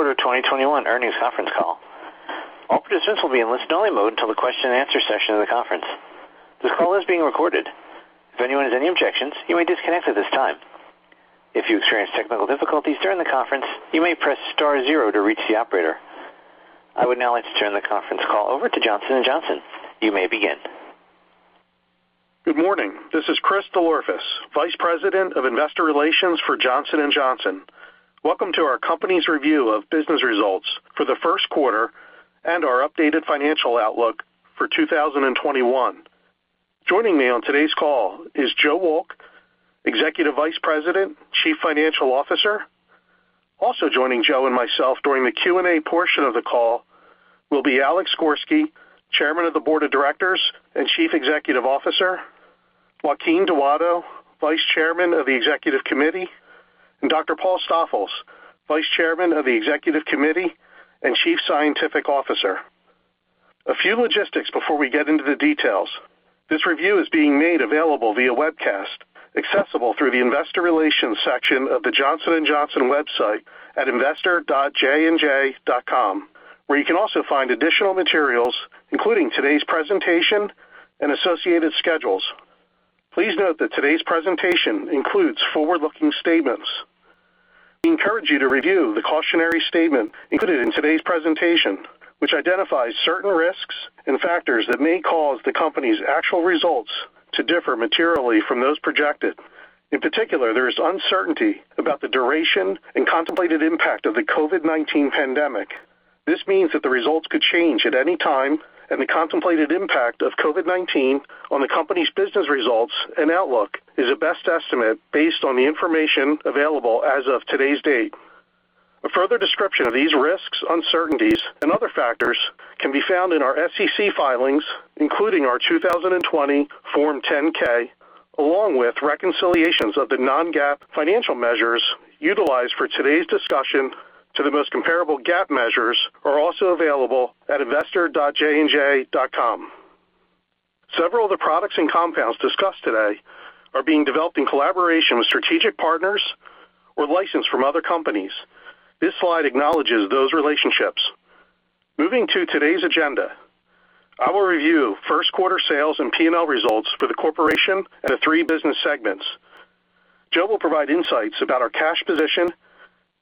First quarter 2021 earnings conference call. All participants will be in listen-only mode until the question and answer session of the conference. This call is being recorded. If anyone has any objections, you may disconnect at this time. If you experience technical difficulties during the conference, you may press star zero to reach the operator. I would now like to turn the conference call over to Johnson & Johnson. You may begin. Good morning. This is Chris DelOrefice, Vice President of Investor Relations for Johnson & Johnson. Welcome to our company's review of business results for the first quarter and our updated financial outlook for 2021. Joining me on today's call is Joe Wolk, Executive Vice President, Chief Financial Officer. Also joining Joe and myself during the Q&A portion of the call will be Alex Gorsky, Chairman of the Board of Directors and Chief Executive Officer, Joaquin Duato, Vice Chairman of the Executive Committee, and Dr. Paul Stoffels, Vice Chairman of the Executive Committee and Chief Scientific Officer. A few logistics before we get into the details. This review is being made available via webcast, accessible through the investor relations section of the Johnson & Johnson website at investor.jnj.com, where you can also find additional materials, including today's presentation and associated schedules. Please note that today's presentation includes forward-looking statements. We encourage you to review the cautionary statement included in today's presentation, which identifies certain risks and factors that may cause the company's actual results to differ materially from those projected. In particular, there is uncertainty about the duration and contemplated impact of the COVID-19 pandemic. This means that the results could change at any time, and the contemplated impact of COVID-19 on the company's business results and outlook is a best estimate based on the information available as of today's date. A further description of these risks, uncertainties, and other factors can be found in our SEC filings, including our 2020 Form 10-K, along with reconciliations of the non-GAAP financial measures utilized for today's discussion to the most comparable GAAP measures are also available at investor.jnj.com. Several of the products and compounds discussed today are being developed in collaboration with strategic partners or licensed from other companies. This slide acknowledges those relationships. Moving to today's agenda. I will review first quarter sales and P&L results for the corporation and the three business segments. Joe will provide insights about our cash position,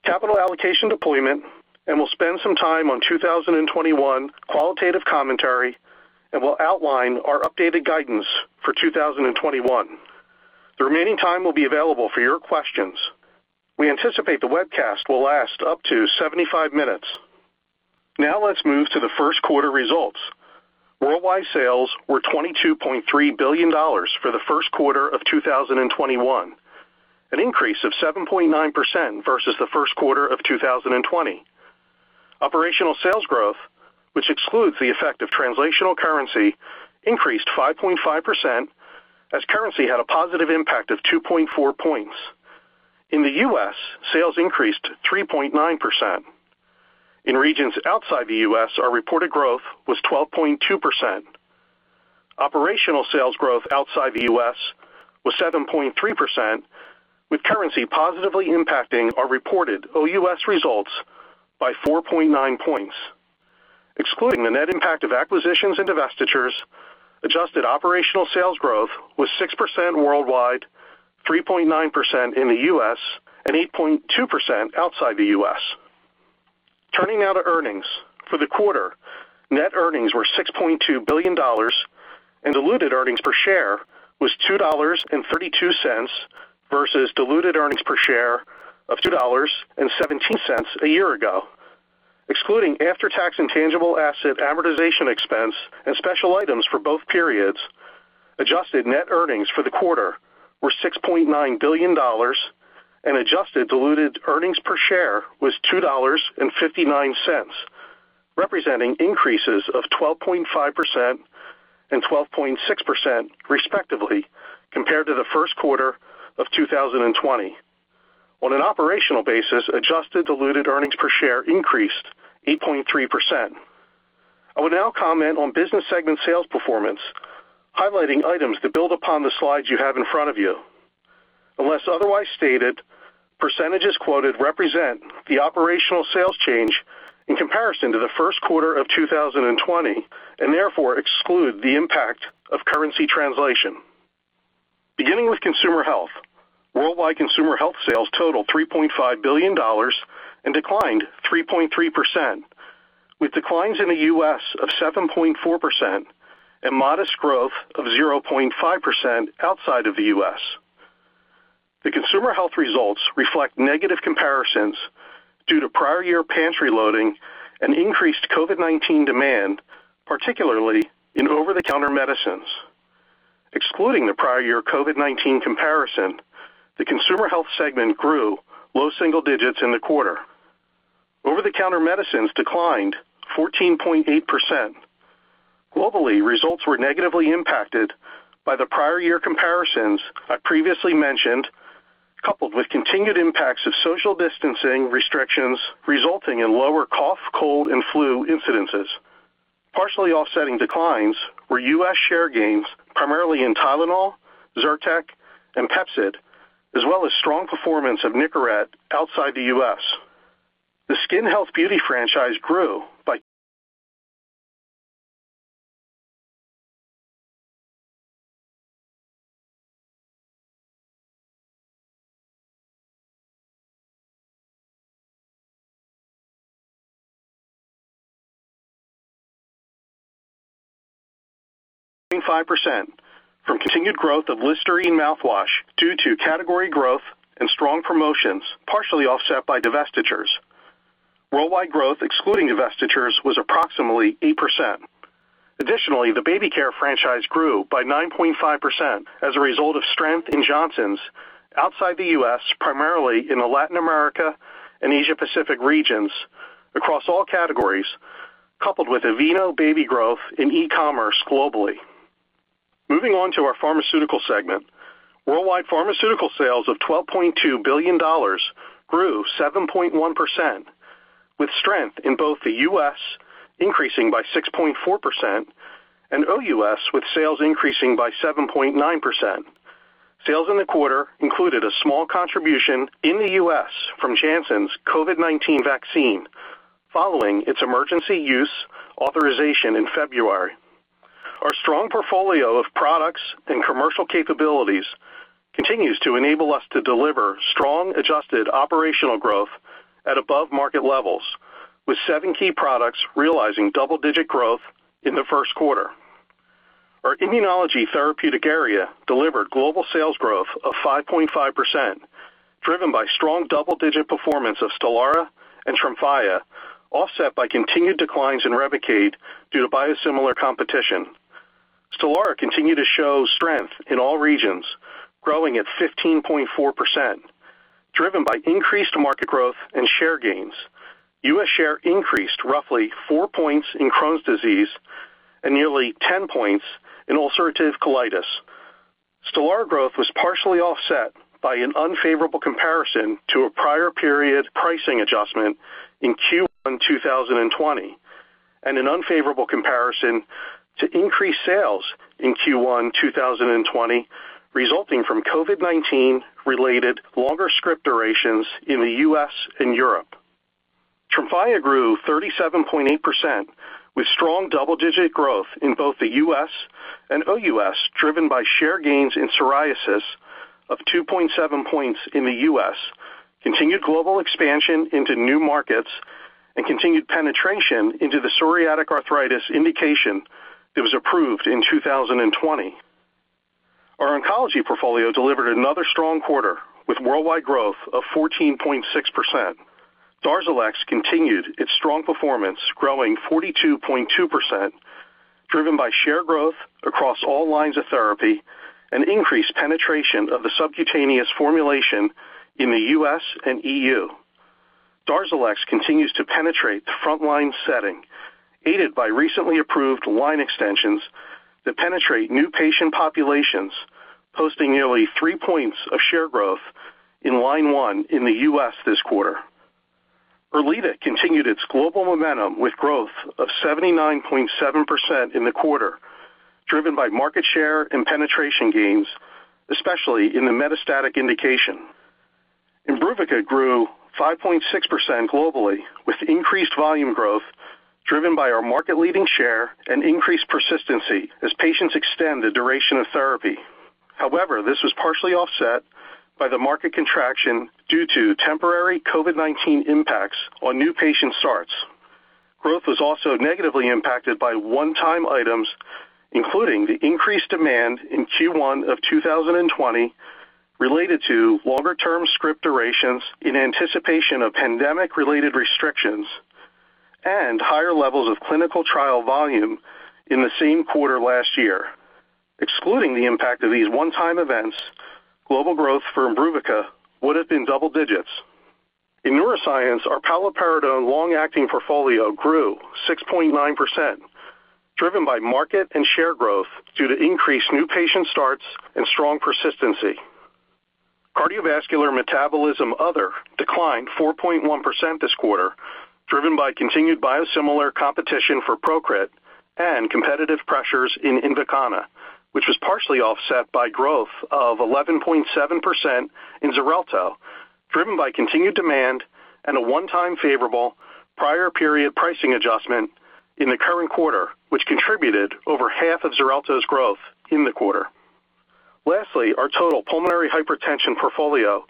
capital allocation deployment, and will spend some time on 2021 qualitative commentary and will outline our updated guidance for 2021. The remaining time will be available for your questions. We anticipate the webcast will last up to 75 minutes. Let's move to the first quarter results. Worldwide sales were $22.3 billion for the first quarter of 2021, an increase of 7.9% versus the first quarter of 2020. Operational sales growth, which excludes the effect of translational currency, increased 5.5% as currency had a positive impact of 2.4 points. In the U.S., sales increased 3.9%. In regions outside the U.S., our reported growth was 12.2%. Operational sales growth outside the U.S. was 7.3% with currency positively impacting our reported OUS results by 4.9 points. Excluding the net impact of acquisitions and divestitures, adjusted operational sales growth was 6% worldwide, 3.9% in the U.S., and 8.2% outside the U.S. Turning now to earnings. For the quarter, net earnings were $6.2 billion and diluted earnings per share was $2.32 versus diluted earnings per share of $2.17 a year ago. Excluding after-tax intangible asset amortization expense and special items for both periods, adjusted net earnings for the quarter were $6.9 billion and adjusted diluted earnings per share was $2.59, representing increases of 12.5% and 12.6% respectively, compared to the first quarter of 2020. On an operational basis, adjusted diluted earnings per share increased 8.3%. I will now comment on business segment sales performance, highlighting items that build upon the slides you have in front of you. Unless otherwise stated, percentages quoted represent the operational sales change in comparison to the first quarter of 2020, and therefore exclude the impact of currency translation. Beginning with Consumer Health. Worldwide Consumer Health sales totaled $3.5 billion and declined 3.3%, with declines in the U.S. of 7.4% and modest growth of 0.5% outside of the U.S. The Consumer Health results reflect negative comparisons due to prior year pantry loading and increased COVID-19 demand, particularly in over-the-counter medicines. Excluding the prior year COVID-19 comparison, the Consumer Health segment grew low single digits in the quarter. Over-the-counter medicines declined 14.8%. Globally, results were negatively impacted by the prior year comparisons I previously mentioned, coupled with continued impacts of social distancing restrictions resulting in lower cough, cold, and flu incidences. Partially offsetting declines were U.S. share gains, primarily in Tylenol, Zyrtec, and Pepcid, as well as strong performance of Nicorette outside the U.S. The skin health beauty franchise grew by 5% from continued growth of Listerine mouthwash due to category growth and strong promotions, partially offset by divestitures. Worldwide growth, excluding divestitures, was approximately 8%. Additionally, the baby care franchise grew by 9.5% as a result of strength in Johnson's outside the U.S., primarily in the Latin America and Asia Pacific regions across all categories, coupled with Aveeno Baby growth in e-commerce globally. Moving on to our Pharmaceutical segment. Worldwide pharmaceutical sales of $12.2 billion grew 7.1%, with strength in both the U.S. increasing by 6.4% and OUS with sales increasing by 7.9%. Sales in the quarter included a small contribution in the U.S. from Janssen's COVID-19 vaccine following its Emergency Use Authorization in February. Our strong portfolio of products and commercial capabilities continues to enable us to deliver strong adjusted operational growth at above-market levels, with seven key products realizing double-digit growth in the first quarter. Our immunology therapeutic area delivered global sales growth of 5.5%, driven by strong double-digit performance of Stelara and Tremfya, offset by continued declines in Revlimid due to biosimilar competition. Stelara continued to show strength in all regions, growing at 15.4%, driven by increased market growth and share gains. U.S. share increased roughly four points in Crohn's disease and nearly 10 points in ulcerative colitis. Stelara growth was partially offset by an unfavorable comparison to a prior period pricing adjustment in Q1 2020 and an unfavorable comparison to increased sales in Q1 2020, resulting from COVID-19-related longer script durations in the U.S. and Europe. Tremfya grew 37.8% with strong double-digit growth in both the U.S. and OUS, driven by share gains in psoriasis of 2.7 points in the U.S., continued global expansion into new markets, and continued penetration into the psoriatic arthritis indication that was approved in 2020. Our oncology portfolio delivered another strong quarter with worldwide growth of 14.6%. Darzalex continued its strong performance, growing 42.2%, driven by share growth across all lines of therapy and increased penetration of the subcutaneous formulation in the U.S. and EU. Darzalex continues to penetrate the frontline setting, aided by recently approved line extensions that penetrate new patient populations, posting nearly three points of share growth in line one in the U.S. this quarter. Erleada continued its global momentum with growth of 79.7% in the quarter, driven by market share and penetration gains, especially in the metastatic indication. Imbruvica grew 5.6% globally with increased volume growth driven by our market-leading share and increased persistency as patients extend the duration of therapy. This was partially offset by the market contraction due to temporary COVID-19 impacts on new patient starts. Growth was also negatively impacted by one-time items, including the increased demand in Q1 of 2020 related to longer-term script durations in anticipation of pandemic-related restrictions and higher levels of clinical trial volume in the same quarter last year. Excluding the impact of these one-time events, global growth for Imbruvica would have been double digits. In neuroscience, our paliperidone long-acting portfolio grew 6.9%, driven by market and share growth due to increased new patient starts and strong persistency. Cardiovascular metabolism other declined 4.1% this quarter, driven by continued biosimilar competition for Procrit and competitive pressures in Invokana, which was partially offset by growth of 11.7% in Xarelto, driven by continued demand and a one-time favorable prior period pricing adjustment in the current quarter, which contributed over half of Xarelto's growth in the quarter. Our total pulmonary hypertension portfolio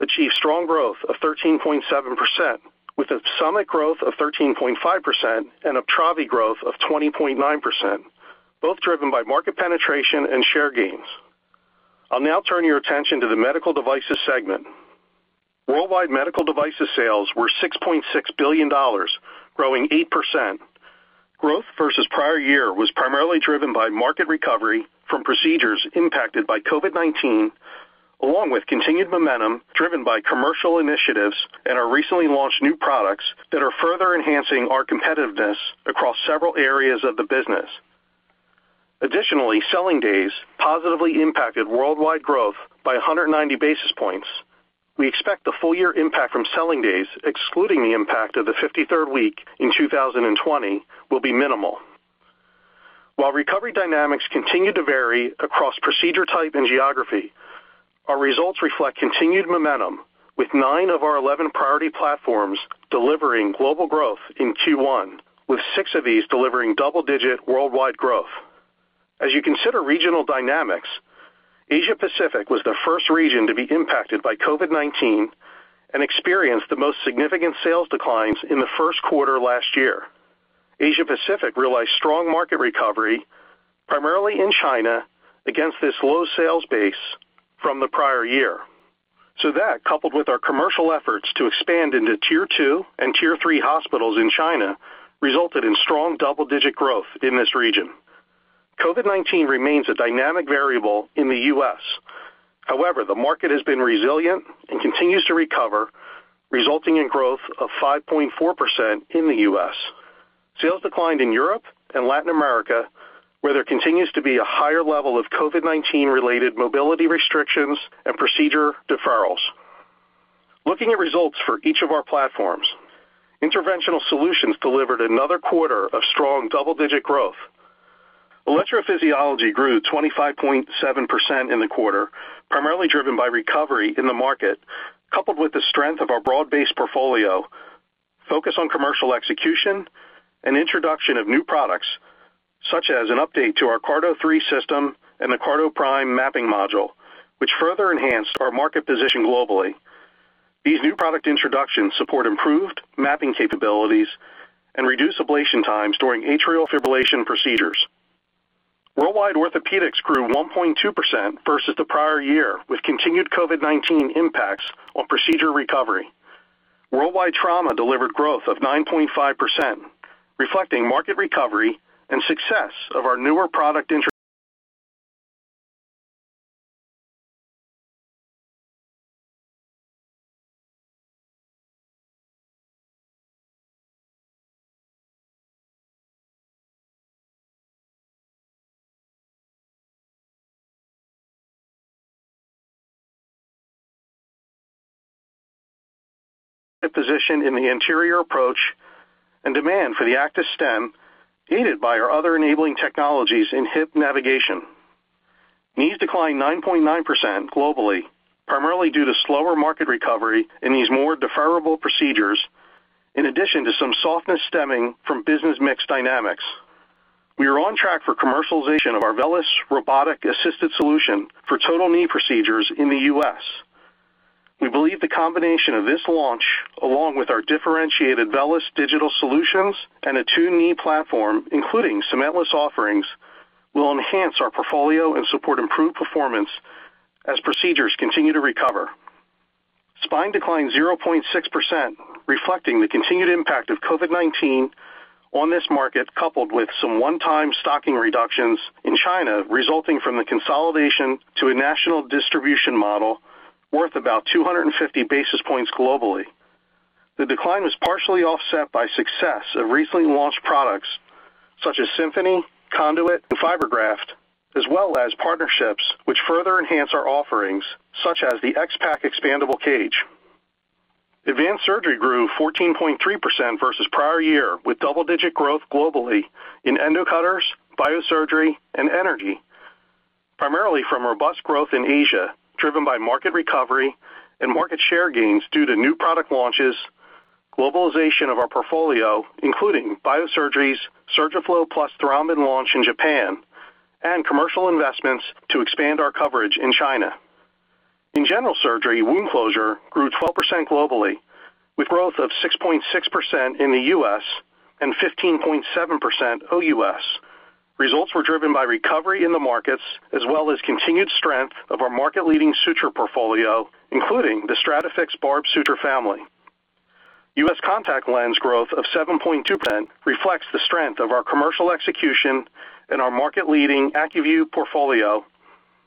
achieved strong growth of 13.7%, with Opsumit growth of 13.5% and Uptravi growth of 20.9%, both driven by market penetration and share gains. I'll now turn your attention to the medical devices segment. Worldwide medical devices sales were $6.6 billion, growing 8%. Growth versus prior year was primarily driven by market recovery from procedures impacted by COVID-19, along with continued momentum driven by commercial initiatives and our recently launched new products that are further enhancing our competitiveness across several areas of the business. Selling days positively impacted worldwide growth by 190 basis points. We expect the full year impact from selling days, excluding the impact of the 53rd week in 2020, will be minimal. While recovery dynamics continue to vary across procedure type and geography, our results reflect continued momentum with nine of our 11 priority platforms delivering global growth in Q1, with six of these delivering double-digit worldwide growth. As you consider regional dynamics, Asia Pacific was the first region to be impacted by COVID-19 and experienced the most significant sales declines in the first quarter last year. Asia Pacific realized strong market recovery, primarily in China, against this low sales base from the prior year. That, coupled with our commercial efforts to expand into Tier 2 and Tier 3 hospitals in China, resulted in strong double-digit growth in this region. COVID-19 remains a dynamic variable in the U.S. The market has been resilient and continues to recover, resulting in growth of 5.4% in the U.S. Sales declined in Europe and Latin America, where there continues to be a higher level of COVID-19 related mobility restrictions and procedure deferrals. Looking at results for each of our platforms, interventional solutions delivered another quarter of strong double-digit growth. Electrophysiology grew 25.7% in the quarter, primarily driven by recovery in the market, coupled with the strength of our broad-based portfolio, focus on commercial execution and introduction of new products such as an update to our CARTO 3 system and the CARTO PRIME mapping module, which further enhanced our market position globally. These new product introductions support improved mapping capabilities and reduce ablation times during atrial fibrillation procedures. Worldwide orthopedics grew 1.2% versus the prior year, with continued COVID-19 impacts on procedure recovery. Worldwide trauma delivered growth of 9.5%, reflecting market recovery and success of our newer product [intro- position] in the anterior approach and demand for the ACTIS Stem, aided by our other enabling technologies in hip navigation. Knees declined 9.9% globally, primarily due to slower market recovery in these more deferrable procedures, in addition to some softness stemming from business mix dynamics. We are on track for commercialization of our VELYS robotic assisted solution for total knee procedures in the U.S. We believe the combination of this launch, along with our differentiated VELYS digital solutions and a two knee platform, including cementless offerings, will enhance our portfolio and support improved performance as procedures continue to recover. Spine declined 0.6%, reflecting the continued impact of COVID-19 on this market, coupled with some one-time stocking reductions in China resulting from the consolidation to a national distribution model worth about 250 basis points globally. The decline was partially offset by success of recently launched products such as Symphony, Conduit, and FiberGraft, as well as partnerships which further enhance our offerings such as the X-PAC Expandable Cage. Advanced surgery grew 14.3% versus prior year, with double-digit growth globally in endo cutters, Biosurgery, and energy, primarily from robust growth in Asia, driven by market recovery and market share gains due to new product launches, globalization of our portfolio, including Biosurgery's SURGIFLO with Thrombin launch in Japan, and commercial investments to expand our coverage in China. In general surgery, wound closure grew 12% globally, with growth of 6.6% in the U.S. and 15.7% OUS. Results were driven by recovery in the markets, as well as continued strength of our market leading suture portfolio, including the STRATAFIX barbed suture family. U.S. contact lens growth of 7.2% reflects the strength of our commercial execution and our market leading ACUVUE portfolio,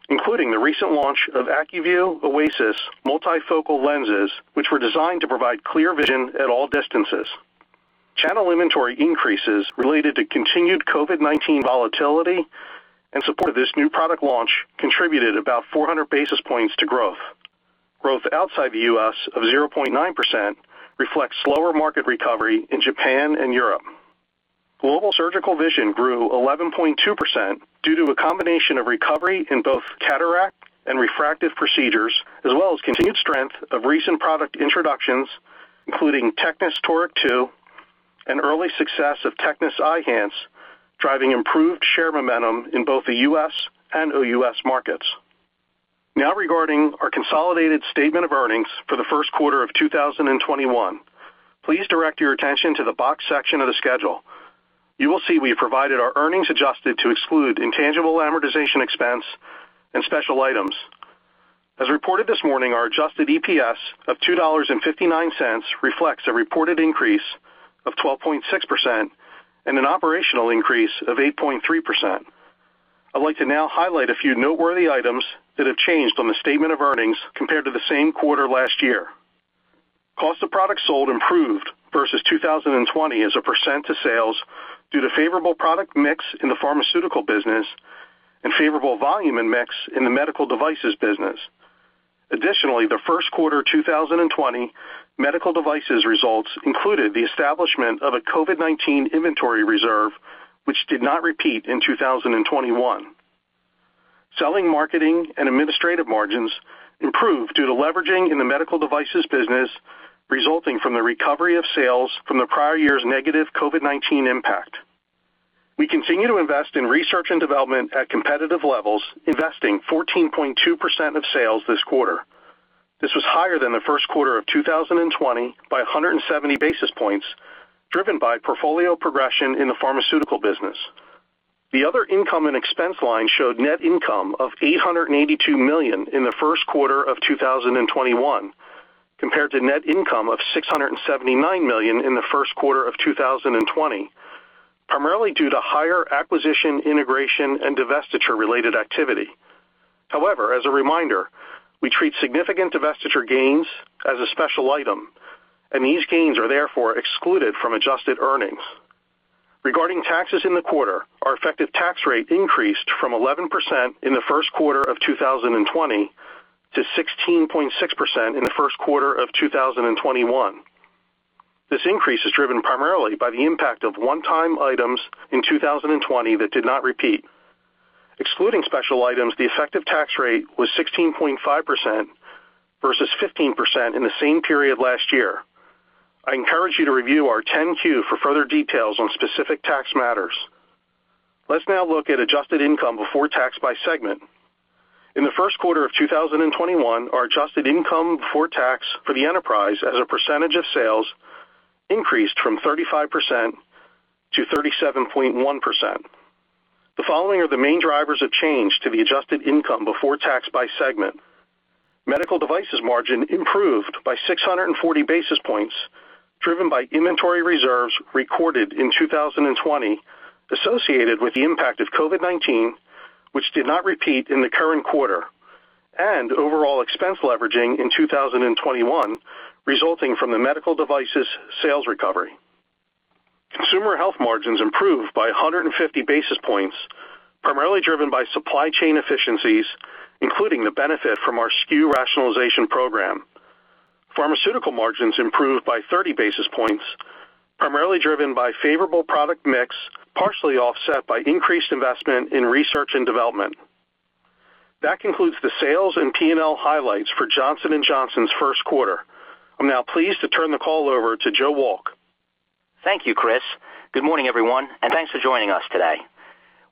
including the recent launch of ACUVUE OASYS multifocal lenses, which were designed to provide clear vision at all distances. Channel inventory increases related to continued COVID-19 volatility and support of this new product launch contributed about 400 basis points to growth. Growth outside the U.S. of 0.9% reflects slower market recovery in Japan and Europe. Global surgical vision grew 11.2% due to a combination of recovery in both cataract and refractive procedures, as well as continued strength of recent product introductions, including TECNIS Toric II and early success of TECNIS Eyhance, driving improved share momentum in both the U.S. and OUS markets. Regarding our consolidated statement of earnings for the first quarter of 2021. Please direct your attention to the box section of the schedule. You will see we have provided our earnings adjusted to exclude intangible amortization expense and special items. As reported this morning, our adjusted EPS of $2.59 reflects a reported increase of 12.6% and an operational increase of 8.3%. I'd like to now highlight a few noteworthy items that have changed on the statement of earnings compared to the same quarter last year. Cost of products sold improved versus 2020 as a percent to sales due to favorable product mix in the pharmaceutical business and favorable volume and mix in the medical devices business. Additionally, the first quarter 2020 medical devices results included the establishment of a COVID-19 inventory reserve, which did not repeat in 2021. Selling marketing and administrative margins improved due to leveraging in the medical devices business, resulting from the recovery of sales from the prior year's negative COVID-19 impact. We continue to invest in research and development at competitive levels, investing 14.2% of sales this quarter. This was higher than the first quarter of 2020 by 170 basis points, driven by portfolio progression in the pharmaceutical business. The other income and expense line showed net income of $882 million in the first quarter of 2021 compared to net income of $679 million in the first quarter of 2020, primarily due to higher acquisition integration and divestiture-related activity. As a reminder, we treat significant divestiture gains as a special item, and these gains are therefore excluded from adjusted earnings. Regarding taxes in the quarter, our effective tax rate increased from 11% in the first quarter of 2020 to 16.6% in the first quarter of 2021. This increase is driven primarily by the impact of one-time items in 2020 that did not repeat. Excluding special items, the effective tax rate was 16.5% versus 15% in the same period last year. I encourage you to review our 10-Q for further details on specific tax matters. Let's now look at adjusted income before tax by segment. In the first quarter of 2021, our adjusted income before tax for the enterprise as a percentage of sales increased from 35%-37.1%. The following are the main drivers of change to the adjusted income before tax by segment. Medical devices margin improved by 640 basis points, driven by inventory reserves recorded in 2020 associated with the impact of COVID-19, which did not repeat in the current quarter, and overall expense leveraging in 2021 resulting from the medical devices sales recovery. Consumer health margins improved by 150 basis points, primarily driven by supply chain efficiencies, including the benefit from our SKU rationalization program. Pharmaceutical margins improved by 30 basis points, primarily driven by favorable product mix, partially offset by increased investment in research and development. That concludes the sales and P&L highlights for Johnson & Johnson's first quarter. I'm now pleased to turn the call over to Joe Wolk. Thank you, Chris. Good morning, everyone, thanks for joining us today.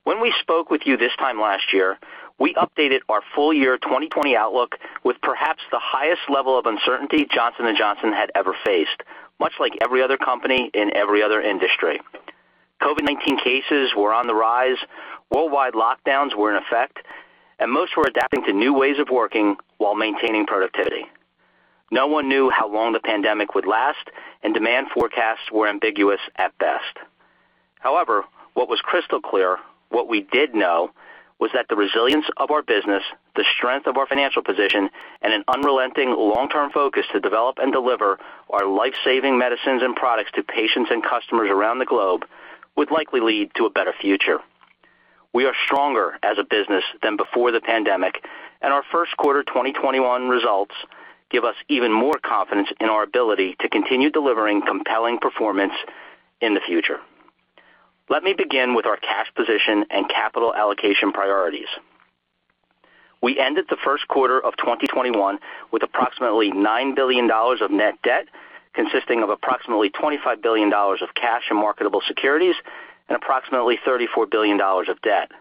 When we spoke with you this time last year, we updated our full year 2020 outlook with perhaps the highest level of uncertainty Johnson & Johnson had ever faced, much like every other company in every other industry. COVID-19 cases were on the rise, worldwide lockdowns were in effect, and most were adapting to new ways of working while maintaining productivity. No one knew how long the pandemic would last and demand forecasts were ambiguous at best. What was crystal clear, what we did know, was that the resilience of our business, the strength of our financial position, and an unrelenting long-term focus to develop and deliver our life-saving medicines and products to patients and customers around the globe would likely lead to a better future. We are stronger as a business than before the pandemic. Our first quarter 2021 results give us even more confidence in our ability to continue delivering compelling performance in the future. Let me begin with our cash position and capital allocation priorities. We ended the first quarter of 2021 with approximately $9 billion of net debt, consisting of approximately $25 billion of cash and marketable securities and approximately $34 billion of debt.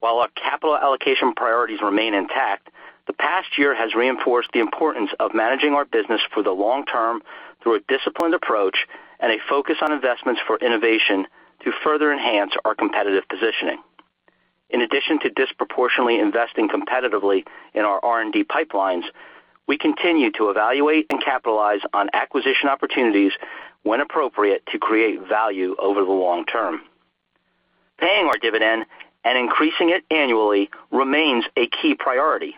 While our capital allocation priorities remain intact, the past year has reinforced the importance of managing our business for the long term through a disciplined approach and a focus on investments for innovation to further enhance our competitive positioning. In addition to disproportionately investing competitively in our R&D pipelines, we continue to evaluate and capitalize on acquisition opportunities when appropriate to create value over the long term. Paying our dividend and increasing it annually remains a key priority.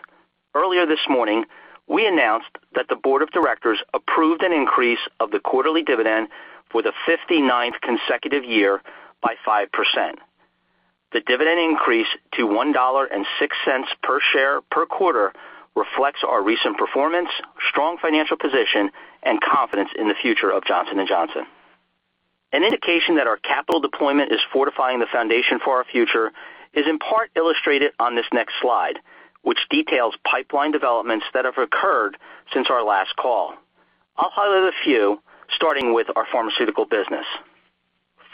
Earlier this morning, we announced that the board of directors approved an increase of the quarterly dividend for the 59th consecutive year by 5%. The dividend increase to $1.06 per share per quarter reflects our recent performance, strong financial position, and confidence in the future of Johnson & Johnson. An indication that our capital deployment is fortifying the foundation for our future is in part illustrated on this next slide, which details pipeline developments that have occurred since our last call. I'll highlight a few, starting with our pharmaceutical business.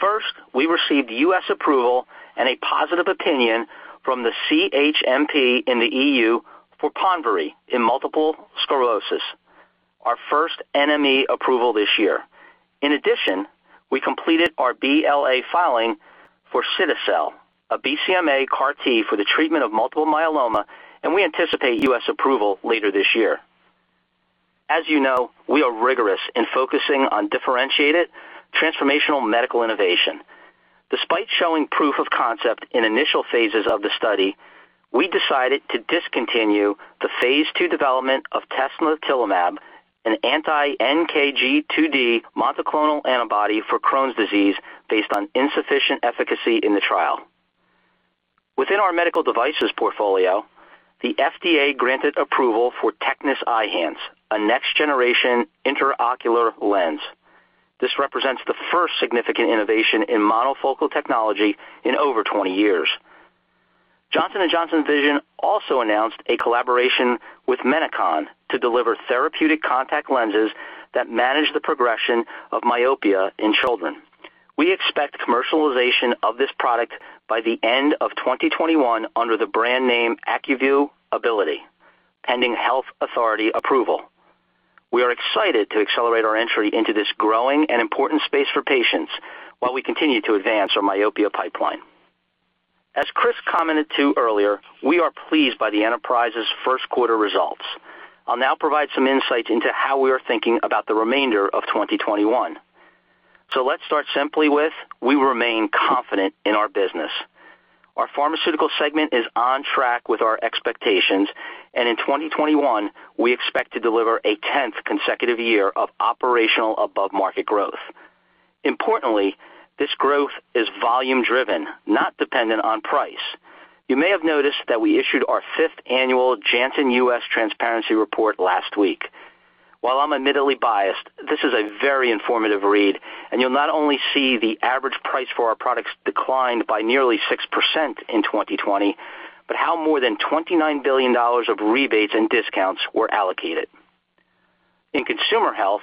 First, we received U.S. approval and a positive opinion from the CHMP in the EU for Ponvory in multiple sclerosis, our first NME approval this year. We completed ourBLA filing for cilta-cel, a BCMA CAR-T for the treatment of multiple myeloma, and we anticipate U.S. approval later this year. As you know, we are rigorous in focusing on differentiated transformational medical innovation. Despite showing proof of concept in initial phases of the study, we decided to discontinue the phase II development of tesnatilimab, an anti-NKG2D monoclonal antibody for Crohn's disease based on insufficient efficacy in the trial. Within our medical devices portfolio, the FDA granted approval for TECNIS Eyhance, a next-generation intraocular lens. This represents the first significant innovation in monofocal technology in over 20 years. Johnson & Johnson Vision also announced a collaboration with Menicon to deliver therapeutic contact lenses that manage the progression of myopia in children. We expect commercialization of this product by the end of 2021 under the brand name ACUVUE Abiliti, pending health authority approval. We are excited to accelerate our entry into this growing and important space for patients while we continue to advance our myopia pipeline. As Chris commented to earlier, we are pleased by the enterprise's first quarter results. I'll now provide some insights into how we are thinking about the remainder of 2021. Let's start simply with we remain confident in our business. Our pharmaceutical segment is on track with our expectations, and in 2021, we expect to deliver a 10th consecutive year of operational above-market growth. Importantly, this growth is volume driven, not dependent on price. You may have noticed that we issued our fifth annual Janssen U.S. Transparency Report last week. While I'm admittedly biased, this is a very informative read, and you'll not only see the average price for our products declined by nearly 6% in 2020, but how more than $29 billion of rebates and discounts were allocated. In consumer health,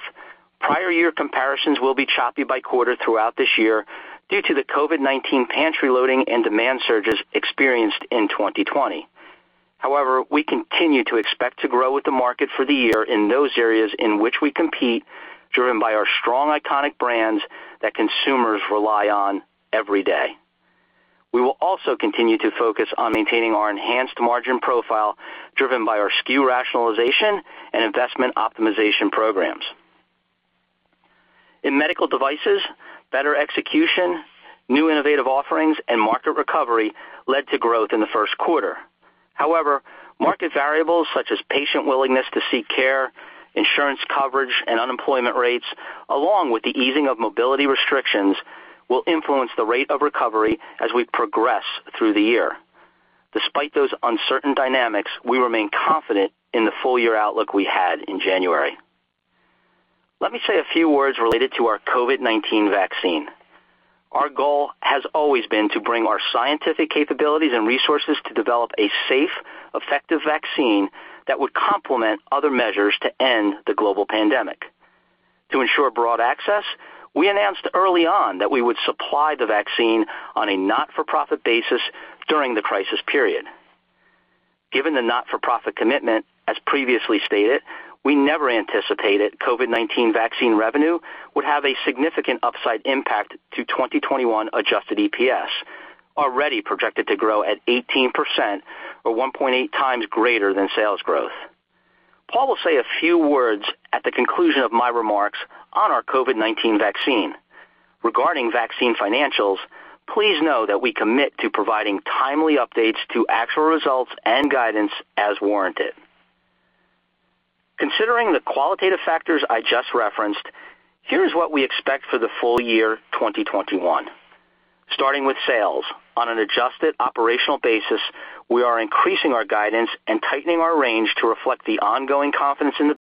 prior year comparisons will be choppy by quarter throughout this year due to the COVID-19 pantry loading and demand surges experienced in 2020. However, we continue to expect to grow with the market for the year in those areas in which we compete, driven by our strong, iconic brands that consumers rely on every day. We will also continue to focus on maintaining our enhanced margin profile driven by our SKU rationalization and investment optimization programs. In medical devices, better execution, new innovative offerings, and market recovery led to growth in the first quarter. However, market variables such as patient willingness to seek care, insurance coverage, and unemployment rates, along with the easing of mobility restrictions, will influence the rate of recovery as we progress through the year. Despite those uncertain dynamics, we remain confident in the full year outlook we had in January. Let me say a few words related to our COVID-19 vaccine. Our goal has always been to bring our scientific capabilities and resources to develop a safe, effective vaccine that would complement other measures to end the global pandemic. To ensure broad access, we announced early on that we would supply the vaccine on a not-for-profit basis during the crisis period. Given the not-for-profit commitment, as previously stated, we never anticipated COVID-19 vaccine revenue would have a significant upside impact to 2021 adjusted EPS, already projected to grow at 18% or 1.8x greater than sales growth. Paul will say a few words at the conclusion of my remarks on our COVID-19 vaccine. Regarding vaccine financials, please know that we commit to providing timely updates to actual results and guidance as warranted. Considering the qualitative factors I just referenced, here's what we expect for the full year 2021. Starting with sales. On an adjusted operational basis, we are increasing our guidance and tightening our range to reflect the ongoing confidence in the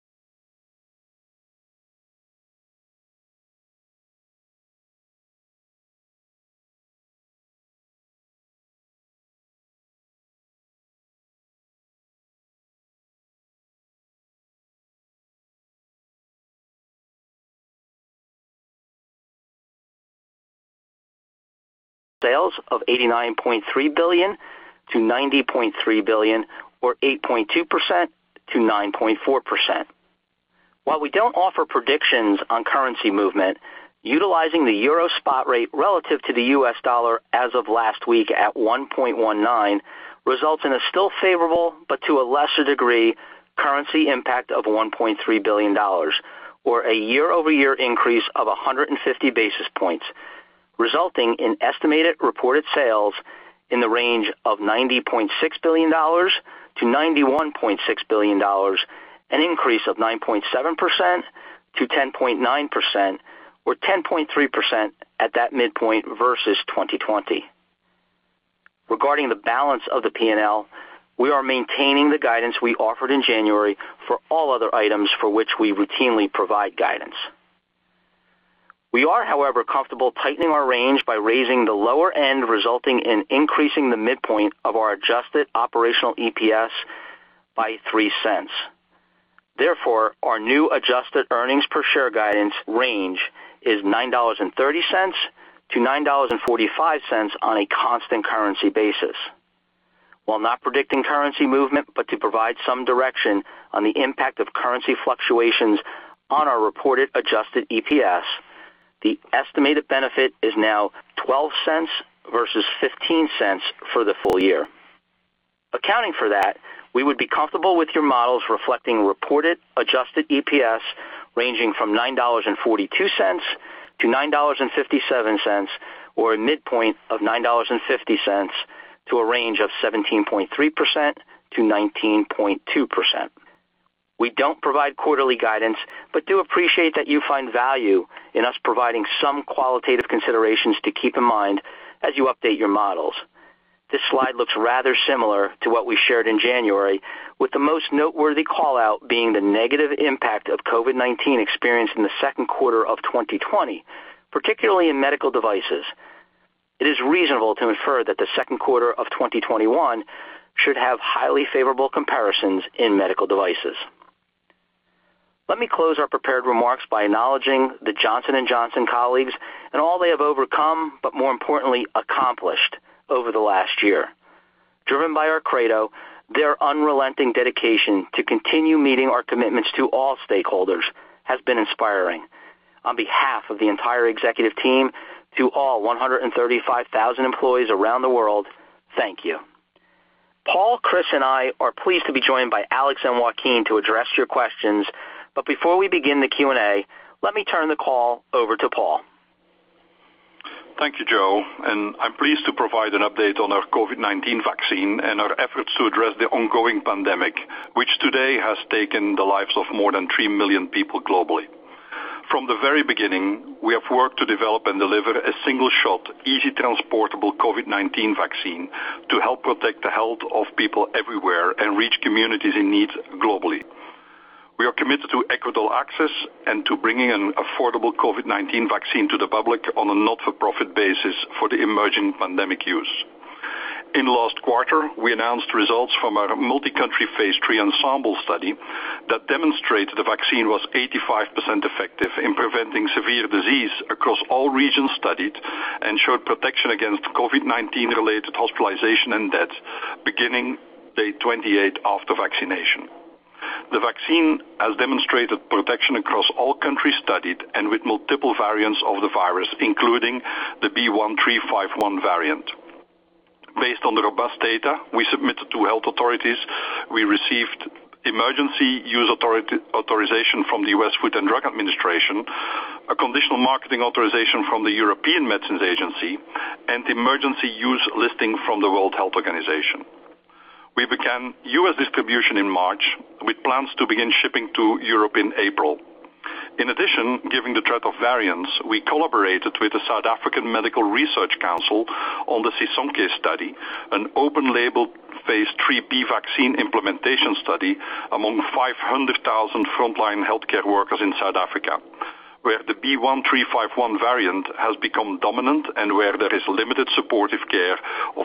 Sales of $89.3 billion-$90.3 billion or 8.2%-9.4%. While we don't offer predictions on currency movement, utilizing the euro spot rate relative to the U.S. dollar as of last week at 1.19 results in a still favorable, but to a lesser degree, currency impact of $1.3 billion or a year-over-year increase of 150 basis points, resulting in estimated reported sales in the range of $90.6 billion-$91.6 billion, an increase of 9.7%-10.9% or 10.3% at that midpoint versus 2020. Regarding the balance of the P&L, we are maintaining the guidance we offered in January for all other items for which we routinely provide guidance. We are, however, comfortable tightening our range by raising the lower end, resulting in increasing the midpoint of our adjusted operational EPS by $0.03. Our new adjusted earnings per share guidance range is $9.30-$9.45 on a constant currency basis. While not predicting currency movement, but to provide some direction on the impact of currency fluctuations on our reported adjusted EPS, the estimated benefit is now $0.12 versus $0.15 for the full year. Accounting for that, we would be comfortable with your models reflecting reported adjusted EPS ranging from $9.42 to $9.57, or a midpoint of $9.50 to a range of 17.3%-19.2%. We don't provide quarterly guidance, but do appreciate that you find value in us providing some qualitative considerations to keep in mind as you update your models. This slide looks rather similar to what we shared in January, with the most noteworthy call-out being the negative impact of COVID-19 experienced in the second quarter of 2020, particularly in medical devices. It is reasonable to infer that the second quarter of 2021 should have highly favorable comparisons in medical devices. Let me close our prepared remarks by acknowledging the Johnson & Johnson colleagues and all they have overcome, but more importantly, accomplished over the last year. Driven by our credo, their unrelenting dedication to continue meeting our commitments to all stakeholders has been inspiring. On behalf of the entire executive team, to all 135,000 employees around the world, thank you. Paul, Chris, and I are pleased to be joined by Alex and Joaquin to address your questions. Before we begin the Q&A, let me turn the call over to Paul. Thank you, Joe. I'm pleased to provide an update on our COVID-19 vaccine and our efforts to address the ongoing pandemic, which today has taken the lives of more than 3 million people globally. From the very beginning, we have worked to develop and deliver a single-shot, easy transportable COVID-19 vaccine to help protect the health of people everywhere and reach communities in need globally. We are committed to equitable access and to bringing an affordable COVID-19 vaccine to the public on a not-for-profit basis for the emerging pandemic use. In the last quarter, we announced results from our multi-country phase III ENSEMBLE study that demonstrated the vaccine was 85% effective in preventing severe disease across all regions studied and showed protection against COVID-19 related hospitalization and death beginning day 28 after vaccination. The vaccine has demonstrated protection across all countries studied and with multiple variants of the virus, including the B.1.351 variant. Based on the robust data we submitted to health authorities, we received Emergency Use Authorization from the U.S. Food and Drug Administration, a conditional marketing authorization from the European Medicines Agency, and Emergency Use Listing from the World Health Organization. We began U.S. distribution in March, with plans to begin shipping to Europe in April. Given the threat of variants, we collaborated with the South African Medical Research Council on the Sisonke study, an open-label phase IIIB vaccine implementation study among 500,000 frontline healthcare workers in South Africa, where the B.1.351 variant has become dominant and where there is limited supportive care or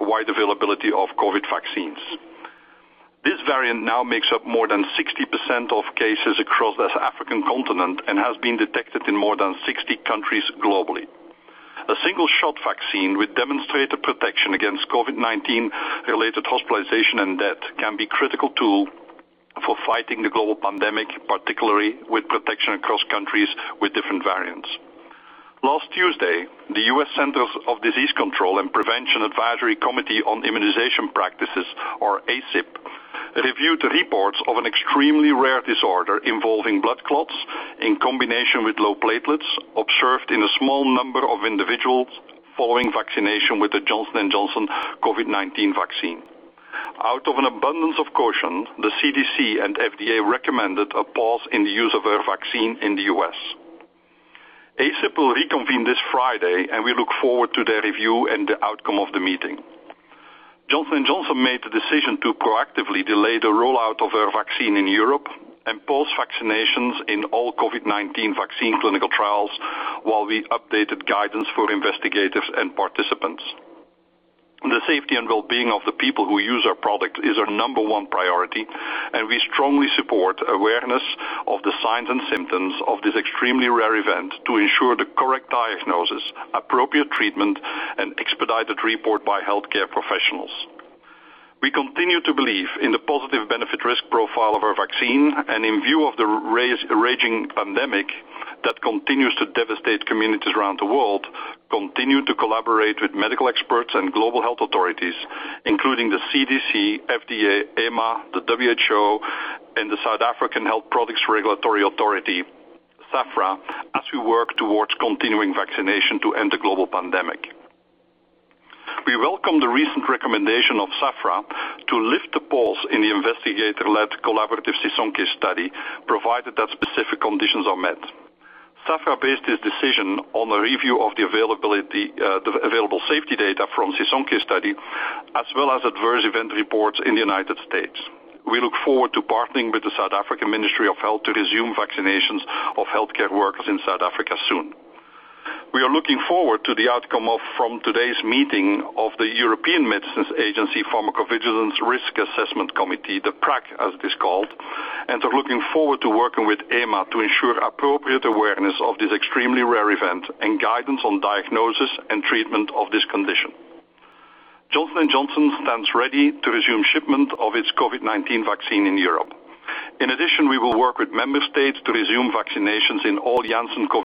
wide availability of COVID-19 vaccines. This variant now makes up more than 60% of cases across the African continent and has been detected in more than 60 countries globally. A single-shot vaccine with demonstrated protection against COVID-19 related hospitalization and death can be critical tool for fighting the global pandemic, particularly with protection across countries with different variants. Last Tuesday, the U.S. Centers for Disease Control and Prevention Advisory Committee on Immunization Practices or ACIP, reviewed reports of an extremely rare disorder involving blood clots in combination with low platelets observed in a small number of individuals following vaccination with the Johnson & Johnson COVID-19 vaccine. Out of an abundance of caution, the CDC and FDA recommended a pause in the use of our vaccine in the U.S. ACIP will reconvene this Friday and we look forward to their review and the outcome of the meeting. Johnson & Johnson made the decision to proactively delay the rollout of our vaccine in Europe and pause vaccinations in all COVID-19 vaccine clinical trials while we updated guidance for investigators and participants. The safety and well-being of the people who use our product is our number one priority, and we strongly support awareness of the signs and symptoms of this extremely rare event to ensure the correct diagnosis, appropriate treatment, and expedited report by healthcare professionals. We continue to believe in the positive benefit risk profile of our vaccine and in view of the raging pandemic that continues to devastate communities around the world, continue to collaborate with medical experts and global health authorities, including the CDC, FDA, EMA, the WHO, and the South African Health Products Regulatory Authority, SAHPRA as we work towards continuing vaccination to end the global pandemic. We welcome the recent recommendation of SAHPRA to lift the pause in the investigator-led collaborative Sisonke study, provided that specific conditions are met. SAHPRA based its decision on a review of the available safety data from Sisonke study, as well as adverse event reports in the U.S. We look forward to partnering with the South African Ministry of Health to resume vaccinations of healthcare workers in South Africa soon. We are looking forward to the outcome from today's meeting of the European Medicines Agency Pharmacovigilance Risk Assessment Committee, the PRAC as it is called, and are looking forward to working with EMA to ensure appropriate awareness of this extremely rare event and guidance on diagnosis and treatment of this condition. Johnson & Johnson stands ready to resume shipment of its COVID-19 vaccine in Europe. In addition, we will work with member states to resume vaccinations in all [Janssen Emergent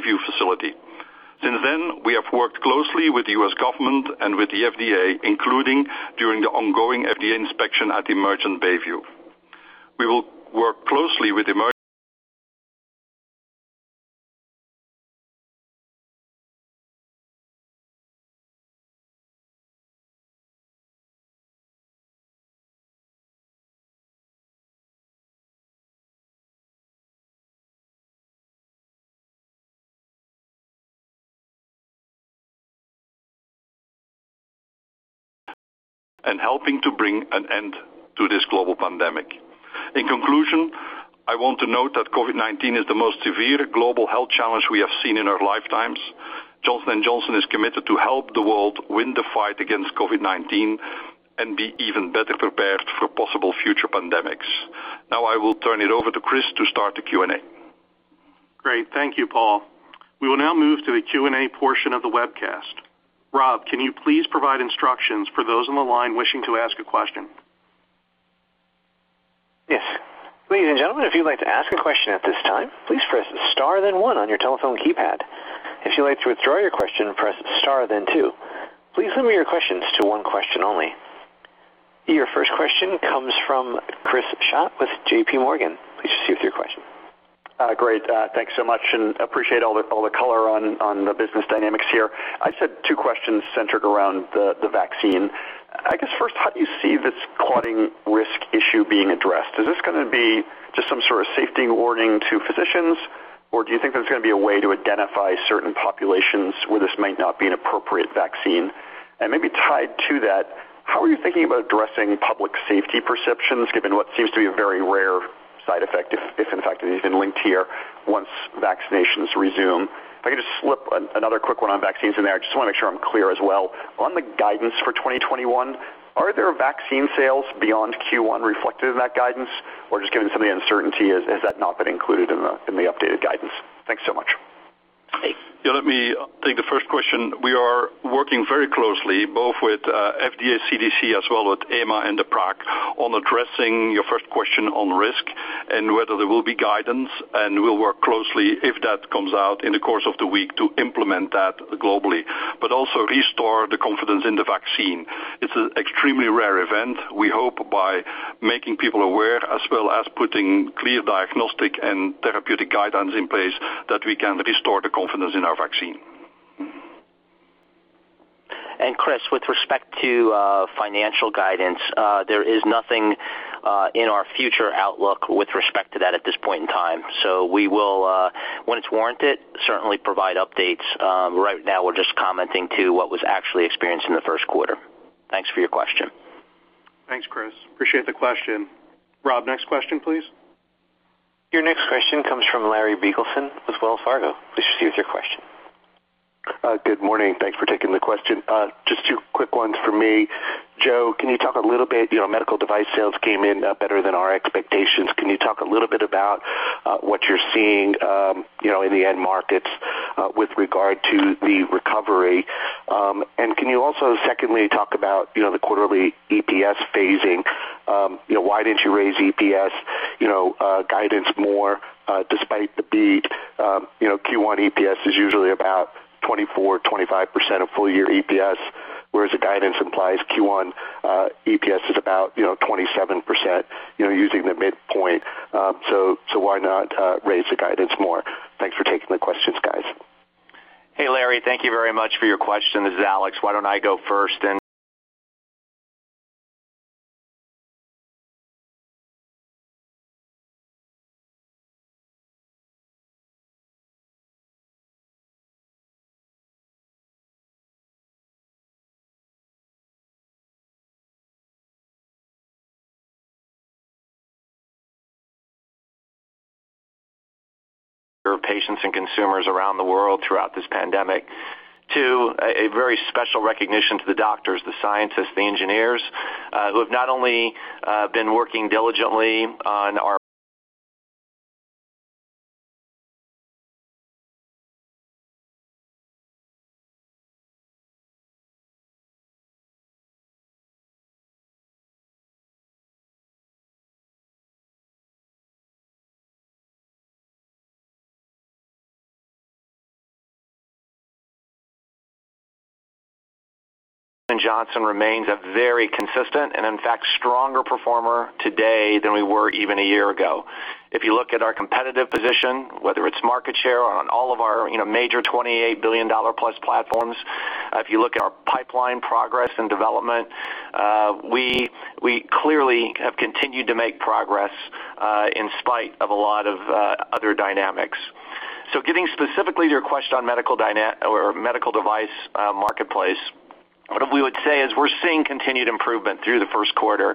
Bayview facility]. Since then, we have worked closely with the U.S. government and with the FDA, including during the ongoing FDA inspection at Emergent Bayview. We will work closely with Emergent and helping to bring an end to this global pandemic. In conclusion, I want to note that COVID-19 is the most severe global health challenge we have seen in our lifetimes. Johnson & Johnson is committed to help the world win the fight against COVID-19 and be even better prepared for possible future pandemics. Now I will turn it over to Chris to start the Q&A. Great. Thank you, Paul. We will now move to the Q&A portion of the webcast. Rob, can you please provide instructions for those on the line wishing to ask a question? Yes. Your first question comes from Chris Schott with JPMorgan. Please proceed with your question. Great. Thanks so much. Appreciate all the color on the business dynamics here. I just have two questions centered around the vaccine. I guess first, how do you see this clotting risk issue being addressed? Is this going to be just some sort of safety warning to physicians, or do you think there's going to be a way to identify certain populations where this might not be an appropriate vaccine? Maybe tied to that, how are you thinking about addressing public safety perceptions, given what seems to be a very rare side effect, if in fact it has been linked here, once vaccinations resume? If I could just slip another quick one on vaccines in there. I just want to make sure I'm clear as well. On the guidance for 2021, are there vaccine sales beyond Q1 reflected in that guidance? Just given some of the uncertainty, has that not been included in the updated guidance? Thanks so much. Yeah, let me take the first question. We are working very closely, both with FDA, CDC, as well as with EMA and the PRAC, on addressing your first question on risk and whether there will be guidance. We'll work closely if that comes out in the course of the week to implement that globally, but also restore the confidence in the vaccine. It's an extremely rare event. We hope by making people aware, as well as putting clear diagnostic and therapeutic guidelines in place, that we can restore the confidence in our vaccine. Chris, with respect to financial guidance, there is nothing in our future outlook with respect to that at this point in time. We will, when it's warranted, certainly provide updates. Right now we're just commenting to what was actually experienced in the first quarter. Thanks for your question. Thanks, Chris. Appreciate the question. Rob, next question, please. Your next question comes from Larry Biegelsen with Wells Fargo. Please proceed with your question. Good morning. Thanks for taking the question. Just two quick ones for me. Joe, medical device sales came in better than our expectations. Can you talk a little bit about what you're seeing in the end markets with regard to the recovery? Can you also, secondly, talk about the quarterly EPS phasing? Why didn't you raise EPS guidance more despite the beat? Q1 EPS is usually about 24%, 25% of full year EPS, whereas the guidance implies Q1 EPS is about 27% using the midpoint. Why not raise the guidance more? Thanks for taking the questions, guys. Hey, Larry, thank you very much for your question. This is Alex. Why don't I go first and serve patients and consumers around the world throughout this pandemic. Two, a very special recognition to the doctors, the scientists, the engineers who have not only been working diligently on [our Johnson & Johnson remains] a very consistent, and in fact, stronger performer today than we were even a year ago. If you look at our competitive position, whether it's market share on all of our major $28 billion+ platforms, if you look at our pipeline progress and development we clearly have continued to make progress in spite of a lot of other dynamics. Getting specifically to your question on medical device marketplace, what we would say is we're seeing continued improvement through the first quarter.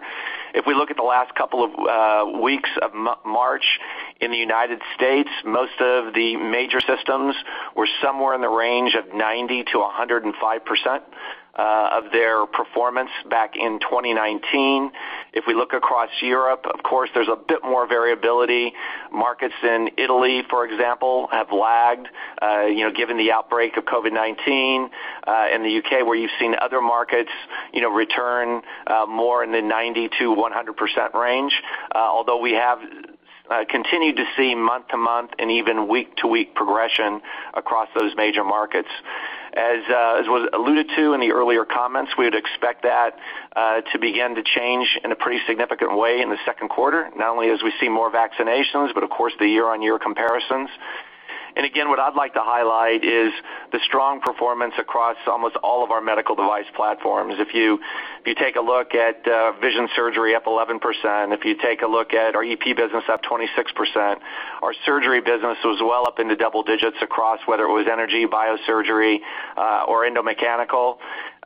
If we look at the last couple of weeks of March in the U.S., most of the major systems were somewhere in the range of 90%-105% of their performance back in 2019. We look across Europe, of course, there's a bit more variability. Markets in Italy, for example, have lagged given the outbreak of COVID-19. The U.K., where you've seen other markets return more in the 90%-100% range. We have continued to see month-to-month and even week-to-week progression across those major markets. As was alluded to in the earlier comments, we would expect that to begin to change in a pretty significant way in the second quarter. Not only as we see more vaccinations, but of course, the year-over-year comparisons. Again, what I'd like to highlight is the strong performance across almost all of our medical device platforms. If you take a look at vision surgery up 11%, if you take a look at our EP business up 26%, our surgery business was well up in the double digits across whether it was energy, Biosurgery or endomechanical.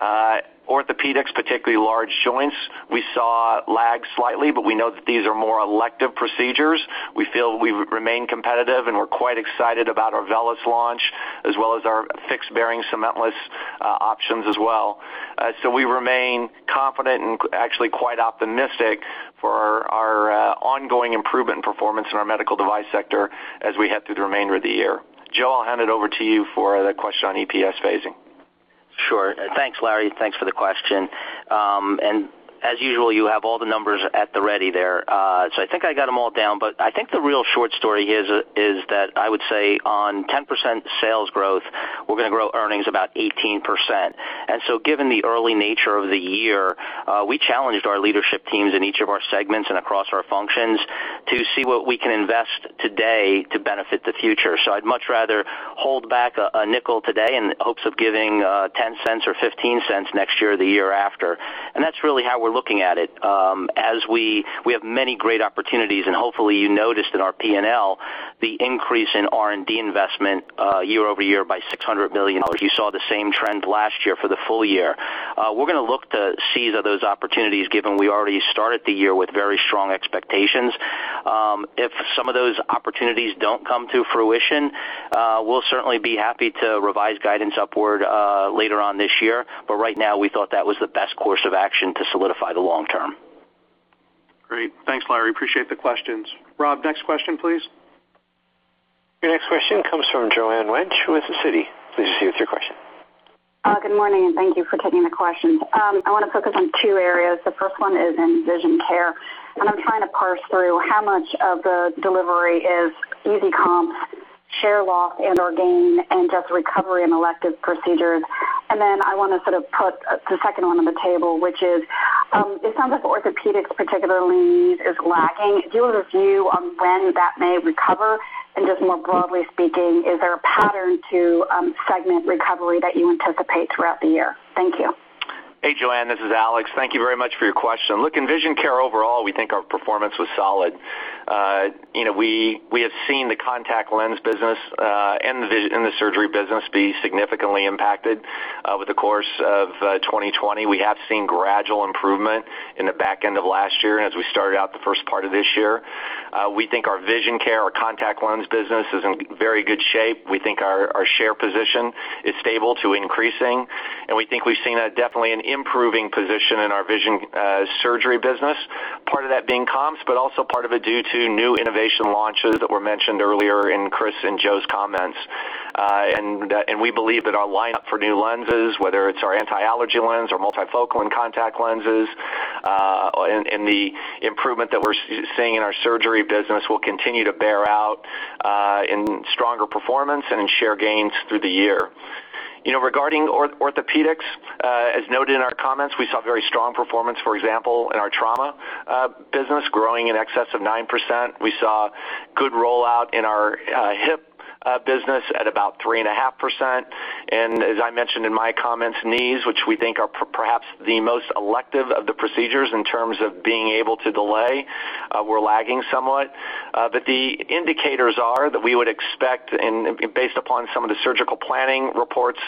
Orthopedics, particularly large joints, we saw lag slightly. We know that these are more elective procedures. We feel we remain competitive. We're quite excited about our VELYS launch as well as our fixed bearing cementless options as well. We remain confident and actually quite optimistic for our ongoing improvement performance in our medical device sector as we head through the remainder of the year. Joe, I'll hand it over to you for the question on EPS phasing. Sure. Thanks, Larry. Thanks for the question. As usual, you have all the numbers at the ready there. I think I got them all down, but I think the real short story here is that I would say on 10% sales growth, we're going to grow earnings about 18%. Given the early nature of the year, we challenged our leadership teams in each of our segments and across our functions to see what we can invest today to benefit the future. I'd much rather hold back $0.05 today in hopes of giving $0.10 or $0.15 next year or the year after. That's really how we're looking at it. We have many great opportunities, and hopefully you noticed in our P&L, the increase in R&D investment year-over-year by $600 million. You saw the same trend last year for the full year. We're going to look to seize those opportunities given we already started the year with very strong expectations. If some of those opportunities don't come to fruition, we'll certainly be happy to revise guidance upward later on this year. Right now, we thought that was the best course of action to solidify the long term. Great. Thanks, Larry. Appreciate the questions. Rob, next question, please. Your next question comes from Joanne Wuensch with Citi. Please proceed with your question. Good morning. Thank you for taking the questions. I want to focus on two areas. The first one is in vision care, and I'm trying to parse through how much of the delivery is easy comp, share loss and/or gain, and just recovery and elective procedures. I want to sort of put the second one on the table, which is, it sounds like orthopedics particularly is lagging. Do you have a view on when that may recover? Just more broadly speaking, is there a pattern to segment recovery that you anticipate throughout the year? Thank you. Hey, Joanne, this is Alex. Thank you very much for your question. In vision care overall, we think our performance was solid. We have seen the contact lens business and the surgery business be significantly impacted over the course of 2020. We have seen gradual improvement in the back end of last year, and as we started out the first part of this year. We think our vision care, our contact lens business is in very good shape. We think our share position is stable to increasing, and we think we've seen a definitely an improving position in our vision surgery business, part of that being comps, but also part of it due to new innovation launches that were mentioned earlier in Chris and Joe's comments. We believe that our lineup for new lenses, whether it's our anti-allergy lens or multifocal in contact lenses, and the improvement that we're seeing in our surgery business will continue to bear out in stronger performance and in share gains through the year. Regarding orthopedics, as noted in our comments, we saw very strong performance, for example, in our trauma business growing in excess of 9%. We saw good rollout in our hip business at about 3.5%. As I mentioned in my comments, knees, which we think are perhaps the most elective of the procedures in terms of being able to delay, were lagging somewhat. The indicators are that we would expect, and based upon some of the surgical planning reports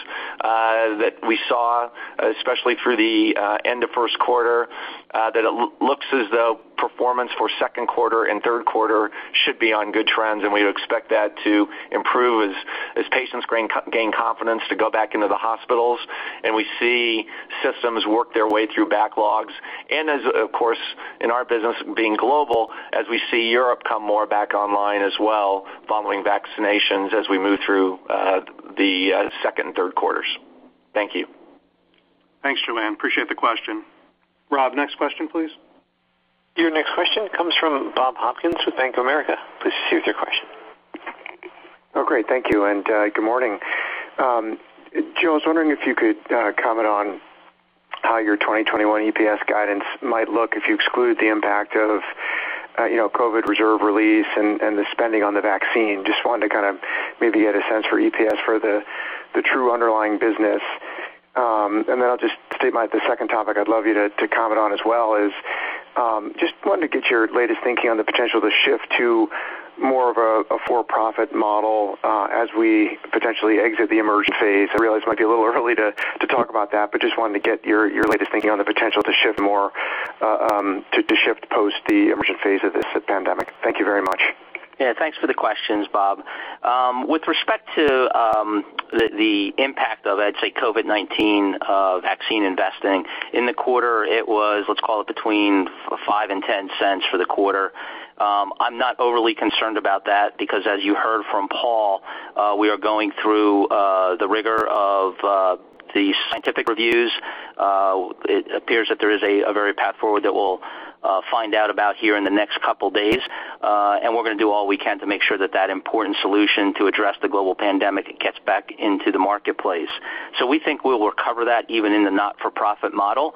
that we saw, especially through the end of first quarter, that it looks as though performance for second quarter and third quarter should be on good trends, and we would expect that to improve as patients gain confidence to go back into the hospitals. We see systems work their way through backlogs. As, of course, in our business being global, as we see Europe come more back online as well following vaccinations as we move through the second and third quarters. Thank you. Thanks, Joanne. Appreciate the question. Rob, next question, please. Your next question comes from Bob Hopkins with Bank of America. Please proceed with your question. Oh, great. Thank you, and good morning. Joe, I was wondering if you could comment on how your 2021 EPS guidance might look if you exclude the impact of COVID reserve release and the spending on the vaccine. Just wanted to kind of maybe get a sense for EPS for the true underlying business. I'll just state the second topic I'd love you to comment on as well is, just wanted to get your latest thinking on the potential to shift to more of a for-profit model as we potentially exit the emergent phase. I realize it might be a little early to talk about that, just wanted to get your latest thinking on the potential to shift post the emergent phase of this pandemic. Thank you very much. Yeah, thanks for the questions, Bob. With respect to the impact of, I'd say, COVID-19 vaccine investing in the quarter, it was, let's call it between $0.05 and $0.10 for the quarter. I'm not overly concerned about that because as you heard from Paul, we are going through the rigor of the scientific reviews. It appears that there is a very path forward that we'll find out about here in the next couple of days. We're going to do all we can to make sure that that important solution to address the global pandemic gets back into the marketplace. We think we will recover that even in the not-for-profit model.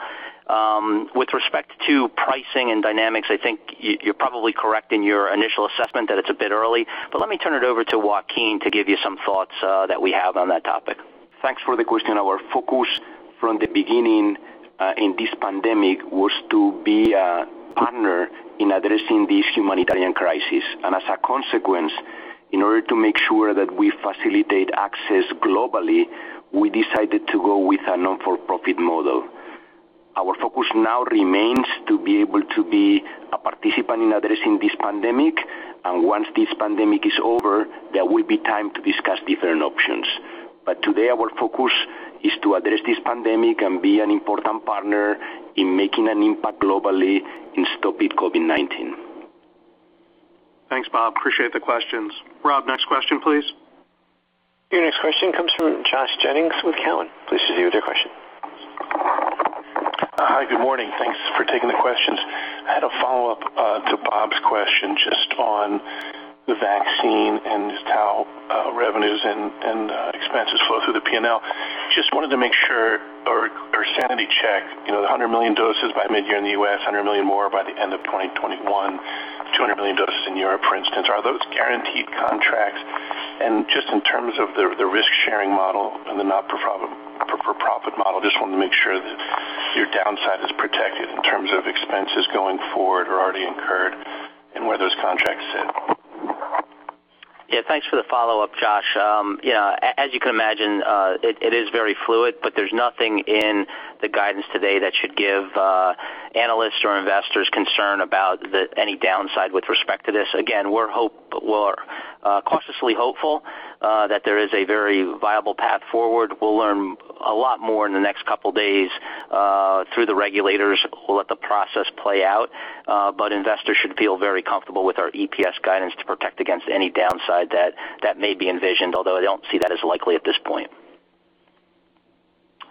With respect to pricing and dynamics, I think you're probably correct in your initial assessment that it's a bit early. Let me turn it over to Joaquin to give you some thoughts that we have on that topic. Thanks for the question. Our focus from the beginning in this pandemic was to be a partner in addressing this humanitarian crisis. As a consequence, in order to make sure that we facilitate access globally, we decided to go with a not-for-profit model. Our focus now remains to be able to be a participant in addressing this pandemic, and once this pandemic is over, there will be time to discuss different options. Today, our focus is to address this pandemic and be an important partner in making an impact globally in stopping COVID-19. Thanks, Bob. Appreciate the questions. Rob, next question, please. Your next question comes from Josh Jennings with Cowen. Please proceed with your question. Hi, good morning. Thanks for taking the questions. I had a follow-up to Bob's question just on the vaccine and just how revenues and expenses flow through the P&L. Just wanted to make sure or sanity check, the $100 million doses by mid-year in the U.S., $100 million more by the end of 2021, $200 million doses in Europe, for instance, are those guaranteed contracts? Just in terms of the risk-sharing model and the not-for-profit model, just wanted to make sure that your downside is protected in terms of expenses going forward or already incurred and where those contracts sit. Yeah, thanks for the follow-up, Josh. As you can imagine, it is very fluid, but there's nothing in the guidance today that should give analysts or investors concern about any downside with respect to this. Again, we're cautiously hopeful that there is a very viable path forward. We'll learn a lot more in the next couple of days through the regulators. We'll let the process play out. Investors should feel very comfortable with our EPS guidance to protect against any downside that may be envisioned, although I don't see that as likely at this point.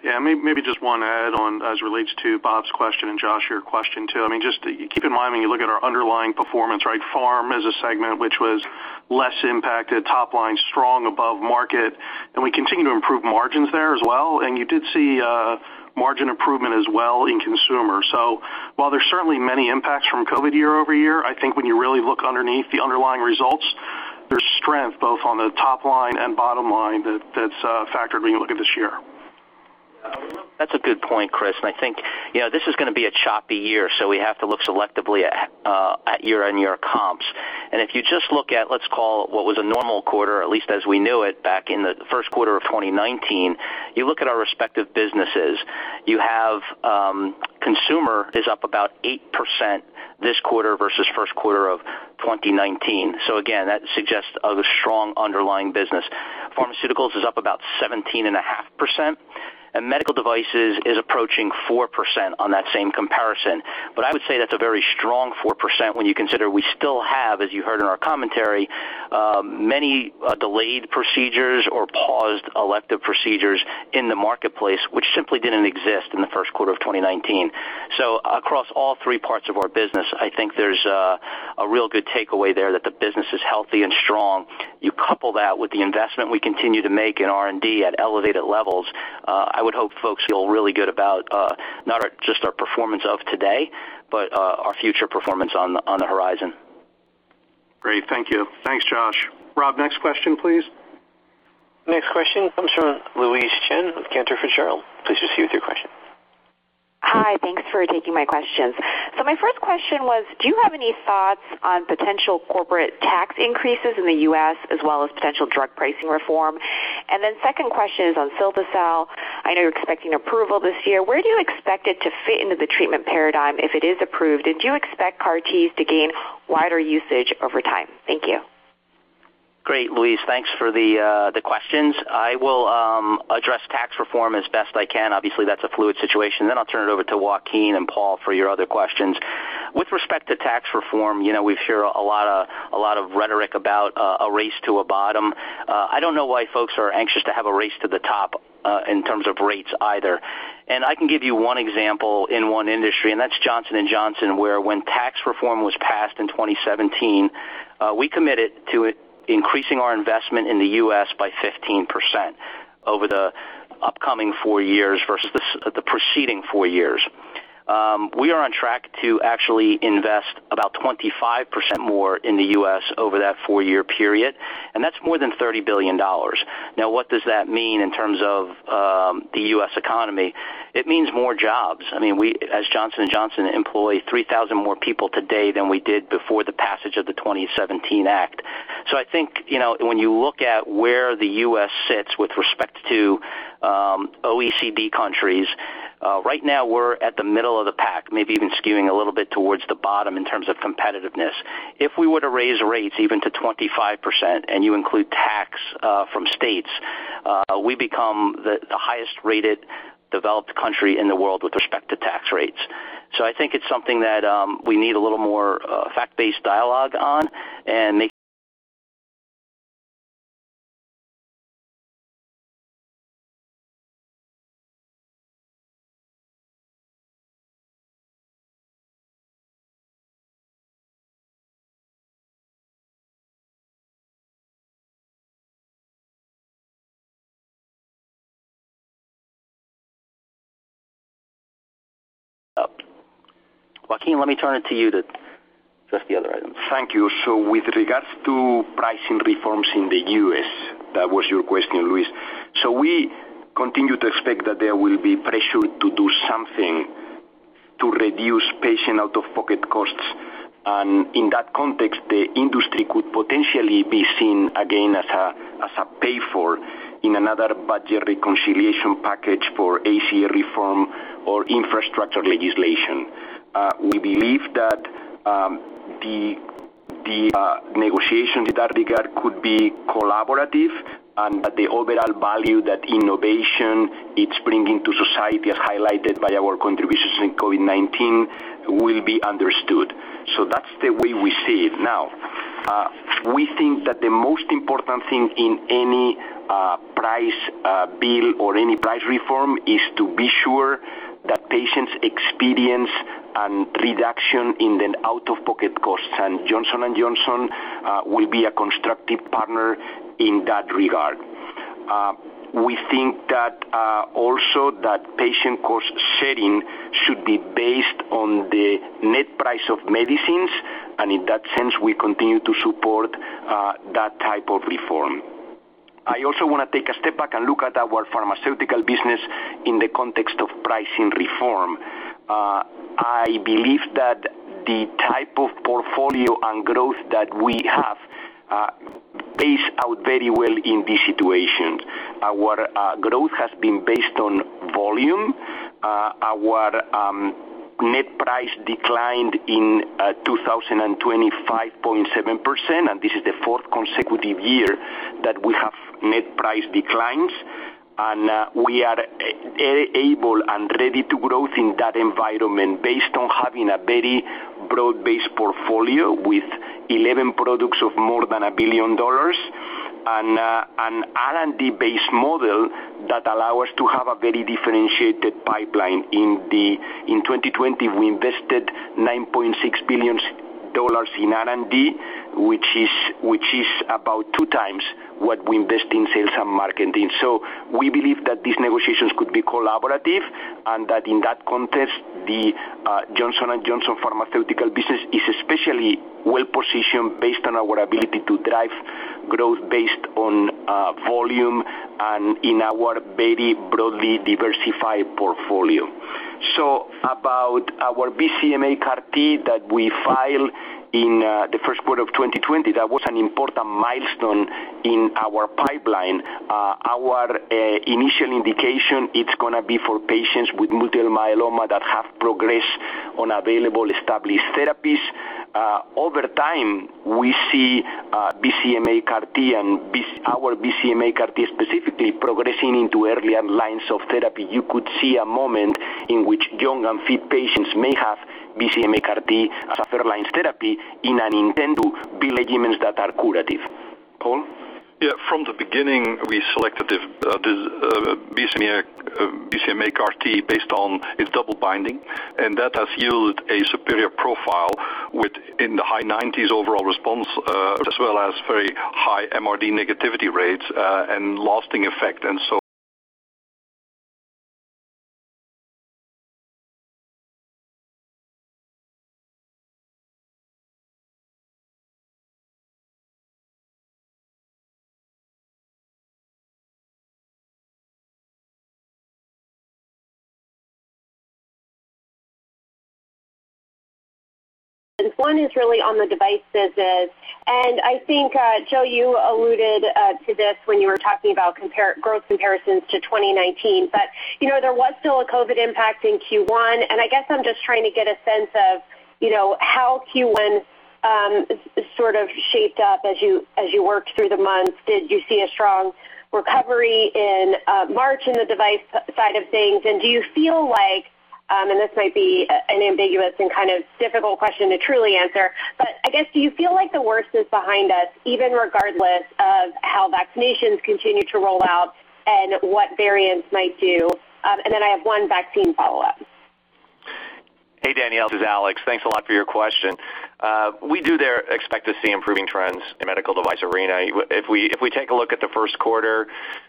Yeah, maybe just one add-on as it relates to Bob's question and Josh, your question, too. Just keep in mind when you look at our underlying performance. Pharm is a segment which was less impacted, top line strong above market, and we continue to improve margins there as well, and you did see margin improvement as well in Consumer. While there's certainly many impacts from COVID year-over-year, I think when you really look underneath the underlying results, there's strength both on the top line and bottom line that's a factor when you look at this year. That's a good point, Chris. I think this is going to be a choppy year, so we have to look selectively at year-on-year comps. If you just look at, let's call it what was a normal quarter, at least as we knew it back in the first quarter of 2019, you look at our respective businesses. You have consumer is up about 8% this quarter versus first quarter of 2019. Again, that suggests a strong underlying business. Pharmaceuticals is up about 17.5%, and Medical Devices is approaching 4% on that same comparison. I would say that's a very strong 4% when you consider we still have, as you heard in our commentary, many delayed procedures or paused elective procedures in the marketplace, which simply didn't exist in the first quarter of 2019. Across all three parts of our business, I think there's a real good takeaway there that the business is healthy and strong. You couple that with the investment we continue to make in R&D at elevated levels, I would hope folks feel really good about not just our performance of today, but our future performance on the horizon. Great. Thank you. Thanks, Josh. Rob, next question, please. Next question comes from Louise Chen with Cantor Fitzgerald. Please proceed with your question. Hi. Thanks for taking my questions. My first question was, do you have any thoughts on potential corporate tax increases in the U.S. as well as potential drug pricing reform? Second question is on cilta-cel. I know you're expecting approval this year. Where do you expect it to fit into the treatment paradigm if it is approved? Do you expect CAR Ts to gain wider usage over time? Thank you. Great, Louise. Thanks for the questions. I will address tax reform as best I can. Obviously, that's a fluid situation. I'll turn it over to Joaquin and Paul for your other questions. With respect to tax reform, we hear a lot of rhetoric about a race to a bottom. I don't know why folks are anxious to have a race to the top in terms of rates either. I can give you one example in one industry, and that's Johnson & Johnson, where when tax reform was passed in 2017, we committed to increasing our investment in the U.S. by 15% over the upcoming four years versus the preceding four years. We are on track to actually invest about 25% more in the U.S. over that four-year period, and that's more than $30 billion. Now, what does that mean in terms of the U.S. economy? It means more jobs. Johnson & Johnson employ 3,000 more people today than we did before the passage of the 2017 Act. I think, when you look at where the U.S. sits with respect to OECD countries, right now we're at the middle of the pack, maybe even skewing a little bit towards the bottom in terms of competitiveness. If we were to raise rates even to 25%, and you include tax from states, we become the highest-rated developed country in the world with respect to tax rates. I think it's something that we need a little more fact-based dialogue on and Joaquin, let me turn it to you to address the other items. Thank you. With regards to pricing reforms in the U.S., that was your question, Louise. We continue to expect that there will be pressure to do something to reduce patient out-of-pocket costs. In that context, the industry could potentially be seen again as a payfor in another budget reconciliation package for ACA reform or infrastructure legislation. We believe that the negotiation in that regard could be collaborative and that the overall value that innovation is bringing to society, as highlighted by our contributions in COVID-19, will be understood. That's the way we see it. Now, we think that the most important thing in any price bill or any price reform is to be sure that patients experience a reduction in their out-of-pocket costs, and Johnson & Johnson will be a constructive partner in that regard. We think that also that patient cost setting should be based on the net price of medicines. In that sense, we continue to support that type of reform. I also want to take a step back and look at our pharmaceutical business in the context of pricing reform. I believe that the type of portfolio and growth that we have plays out very well in these situations. Our growth has been based on volume. Our net price declined in 2020, 5.7%. This is the fourth consecutive year that we have net price declines. We are able and ready to grow in that environment based on having a very broad-based portfolio with 11 products of more than $1 billion and an R&D-based model that allow us to have a very differentiated pipeline. In 2020, we invested $9.6 billion in R&D, which is about 2x what we invest in sales and marketing. We believe that these negotiations could be collaborative and that in that context, the Johnson & Johnson pharmaceutical business is especially well-positioned based on our ability to drive growth based on volume and in our very broadly diversified portfolio. About our BCMA CAR-T that we filed in the first quarter of 2020, that was an important milestone in our pipeline. Our initial indication, it's going to be for patients with multiple myeloma that have progressed on available established therapies. Over time, we see BCMA CAR-T and our BCMA CAR-T specifically progressing into earlier lines of therapy. You could see a moment in which young and fit patients may have BCMA CAR-T as a first-line therapy in an intent to be regimens that are curative. Paul? From the beginning, we selected the BCMA CAR-T based on its double binding, and that has yielded a superior profile within the high 90s overall response, as well as very high MRD negativity rates, and lasting effect. [inaudible] One is really on the devices. I think, Joe, you alluded to this when you were talking about growth comparisons to 2019. There was still a COVID impact in Q1, and I guess I'm just trying to get a sense of how Q1 sort of shaped up as you worked through the month. Did you see a strong recovery in March in the device side of things? Do you feel like, and this might be an ambiguous and kind of difficult question to truly answer, but I guess, do you feel like the worst is behind us, even regardless of how vaccinations continue to roll out and what variants might do? Then I have one vaccine follow-up. Hey, Danielle, this is Alex. Thanks a lot for your question. We do there expect to see improving trends in the medical device arena. If we take a look at the first quarter,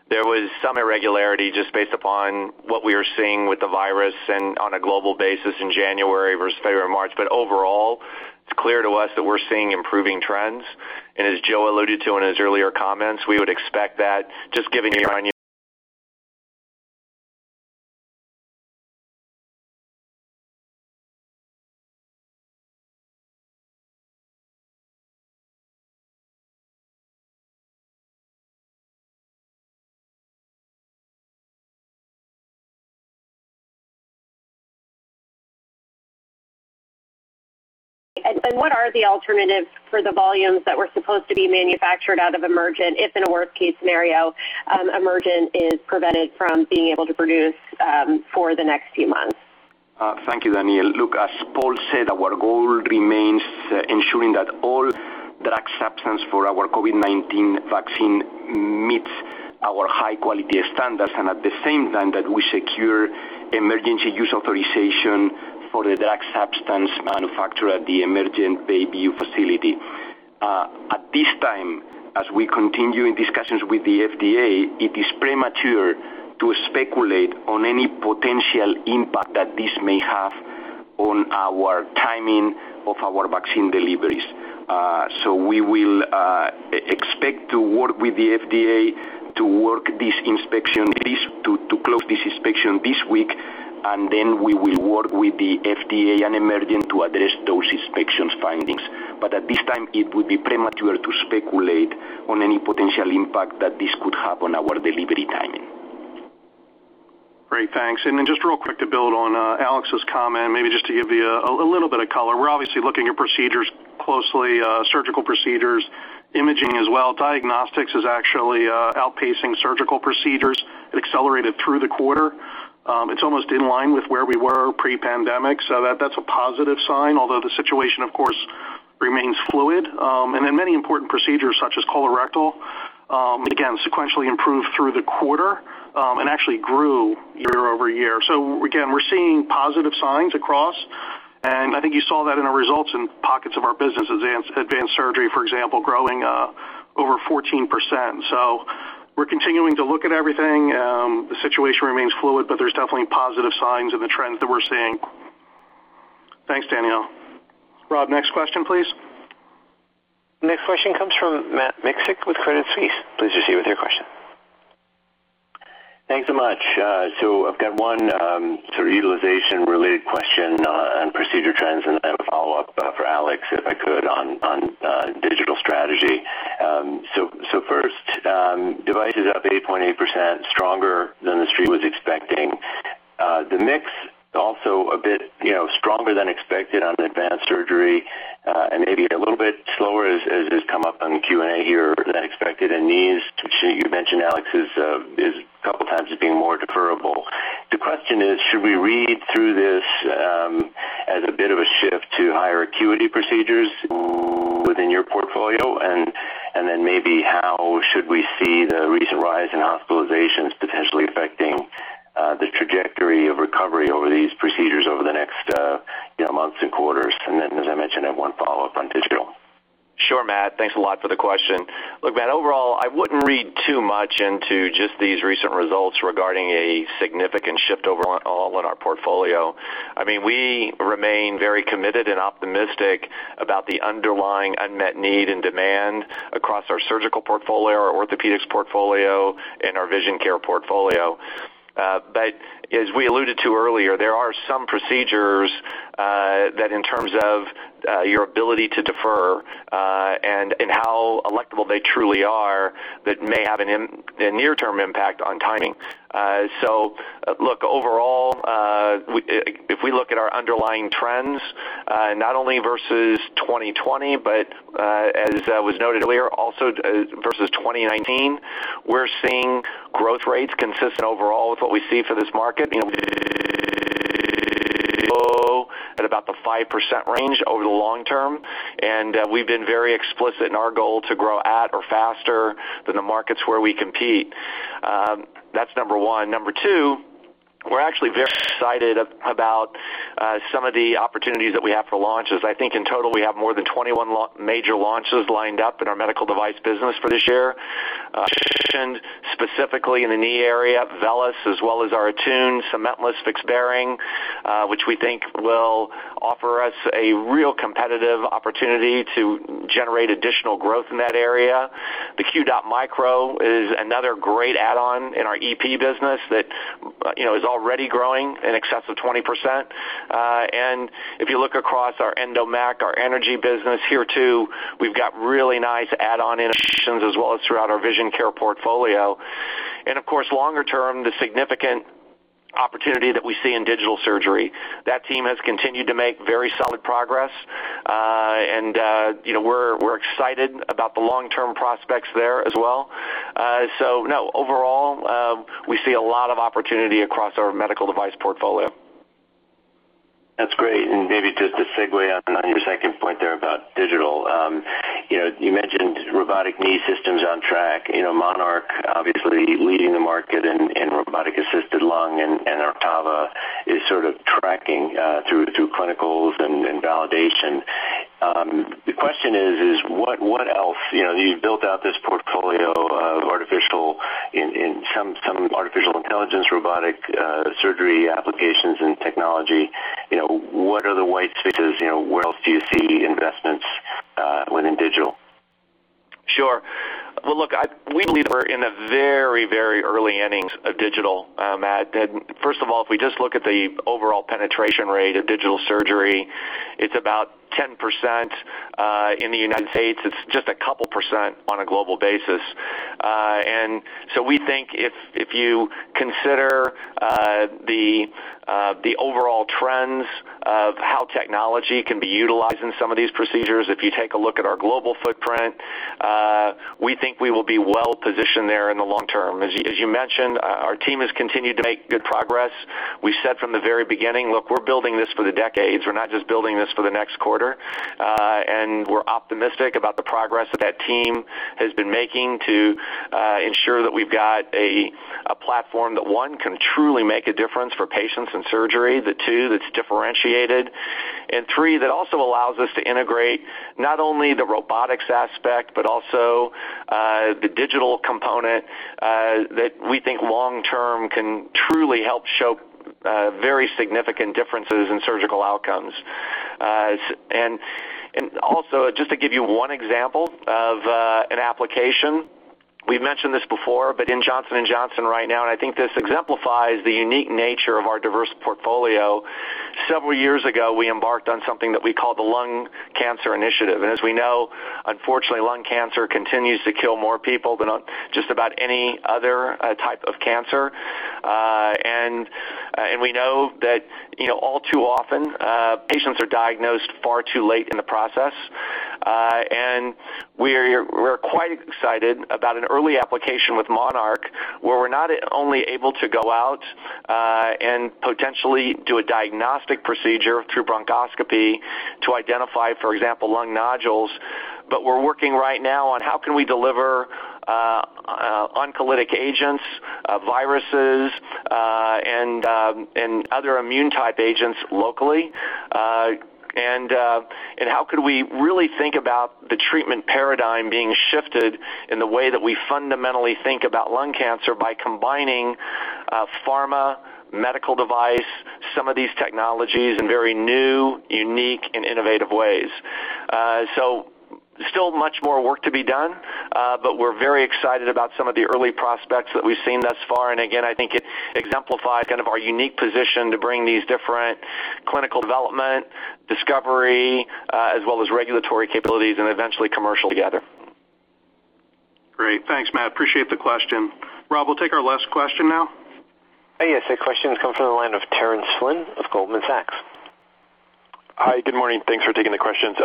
there was some irregularity just based upon what we were seeing with the virus and on a global basis in January versus February, March. Overall, it's clear to us that we're seeing improving trends. As Joe alluded to in his earlier comments, we would expect that just given. [inaudible] What are the alternatives for the volumes that were supposed to be manufactured out of Emergent, if in a worst-case scenario, Emergent is prevented from being able to produce for the next few months? Thank you, Danielle. Look, as Paul said, our goal remains ensuring that all drug substance for our COVID-19 vaccine meets our high quality standards and at the same time that we secure emergency use authorization for the drug substance manufacturer at the Emergent Bayview facility. At this time, as we continue in discussions with the FDA, it is premature to speculate on any potential impact that this may have on our timing of our vaccine deliveries. We will expect to work with the FDA to close this inspection this week, and then we will work with the FDA and Emergent to address those inspections findings. At this time, it would be premature to speculate on any potential impact that this could have on our delivery timing. Great. Thanks. Just real quick to build on Alex's comment, maybe just to give you a little bit of color. We're obviously looking at procedures closely, surgical procedures, imaging as well. Diagnostics is actually outpacing surgical procedures. It accelerated through the quarter. It's almost in line with where we were pre-pandemic. That's a positive sign, although the situation, of course, remains fluid. Many important procedures such as colorectal, again, sequentially improved through the quarter, and actually grew year over year. Again, we're seeing positive signs across, and I think you saw that in our results in pockets of our business, advanced surgery, for example, growing over 14%. We're continuing to look at everything. The situation remains fluid, but there's definitely positive signs in the trends that we're seeing. Thanks, Danielle. Rob, next question, please. Next question comes from Matt Miksic with Credit Suisse. Please proceed with your question. Thanks so much. I've got one sort of utilization-related question on procedure trends and then I have a follow-up for Alex, if I could, on digital strategy. First, devices up 8.8%, stronger than the street was expecting. The mix also a bit stronger than expected on advanced surgery, and maybe a little bit slower as has come up on Q&A here than expected. Knees, which you mentioned, Alex, is a couple of times as being more deferrable. The question is, should we read through this as a bit of a shift to higher acuity procedures within your portfolio? Maybe how should we see the recent rise in hospitalizations potentially affecting the trajectory of recovery over these procedures over the next months and quarters? As I mentioned, I have one follow-up on digital. Sure, Matt. Thanks a lot for the question. Look, Matt, overall, I wouldn't read too much into just these recent results regarding a significant shift overall in our portfolio. We remain very committed and optimistic about the underlying unmet need and demand across our surgical portfolio, our orthopedics portfolio, and our vision care portfolio. As we alluded to earlier, there are some procedures that in terms of your ability to defer, and how electable they truly are, that may have a near-term impact on timing. Look, overall, if we look at our underlying trends, not only versus 2020, but as was noted earlier, also versus 2019, we're seeing growth rates consistent overall with what we see for this market. We see it grow at about the 5% range over the long term, and we've been very explicit in our goal to grow at or faster than the markets where we compete. That's number one. Number two, we're actually very excited about some of the opportunities that we have for launches. I think in total, we have more than 21 major launches lined up in our medical device business for this year. I mentioned specifically in the knee area, VELYS, as well as our ATTUNE cementless fixed bearing, which we think will offer us a real competitive opportunity to generate additional growth in that area. The QDOT MICRO is another great add-on in our EP business that is already growing in excess of 20%. If you look across our ENDO MACK, our energy business here too, we've got really nice add-on innovations as well as throughout our vision care portfolio. Of course, longer term, the significant opportunity that we see in digital surgery. That team has continued to make very solid progress. We're excited about the long-term prospects there as well. No, overall, we see a lot of opportunity across our medical device portfolio. That's great. Maybe just to segue on your second point there about digital. You mentioned robotic knee systems on track, MONARCH obviously leading the market in robotic-assisted lung, and OTTAVA is sort of tracking through clinicals and validation. The question is what else? You've built out this portfolio of artificial intelligence robotic surgery applications and technology. What are the white spaces? Where else do you see investments within digital? Well, look, we believe we're in the very early innings of digital, Matt. First of all, if we just look at the overall penetration rate of digital surgery, it's about 10% in the U.S. It's just a couple % on a global basis. We think if you consider the overall trends of how technology can be utilized in some of these procedures, if you take a look at our global footprint, we think we will be well-positioned there in the long term. As you mentioned, our team has continued to make good progress. We said from the very beginning, look, we're building this for the decades. We're not just building this for the next quarter. We're optimistic about the progress that team has been making to ensure that we've got a platform that, one, can truly make a difference for patients and surgery. That two, that's differentiated. Three, that also allows us to integrate not only the robotics aspect, but also the digital component that we think long term can truly help show very significant differences in surgical outcomes. Also, just to give you one example of an application. We've mentioned this before, but in Johnson & Johnson right now, and I think this exemplifies the unique nature of our diverse portfolio. Several years ago, we embarked on something that we call the Lung Cancer Initiative. As we know, unfortunately, lung cancer continues to kill more people than just about any other type of cancer. We know that all too often, patients are diagnosed far too late in the process. We're quite excited about an early application with MONARCH, where we're not only able to go out and potentially do a diagnostic procedure through bronchoscopy to identify, for example, lung nodules, but we're working right now on how can we deliver oncolytic agents, viruses, and other immune type agents locally. How could we really think about the treatment paradigm being shifted in the way that we fundamentally think about lung cancer by combining pharma, medical device, some of these technologies in very new, unique, and innovative ways. Still much more work to be done, but we're very excited about some of the early prospects that we've seen thus far. Again, I think it exemplifies kind of our unique position to bring these different clinical development, discovery, as well as regulatory capabilities and eventually commercial together. Great. Thanks, Matt. Appreciate the question. Rob, we'll take our last question now. Yes, the question comes from the line of Terence Flynn of Goldman Sachs. Hi, good morning. Thanks for taking the questions.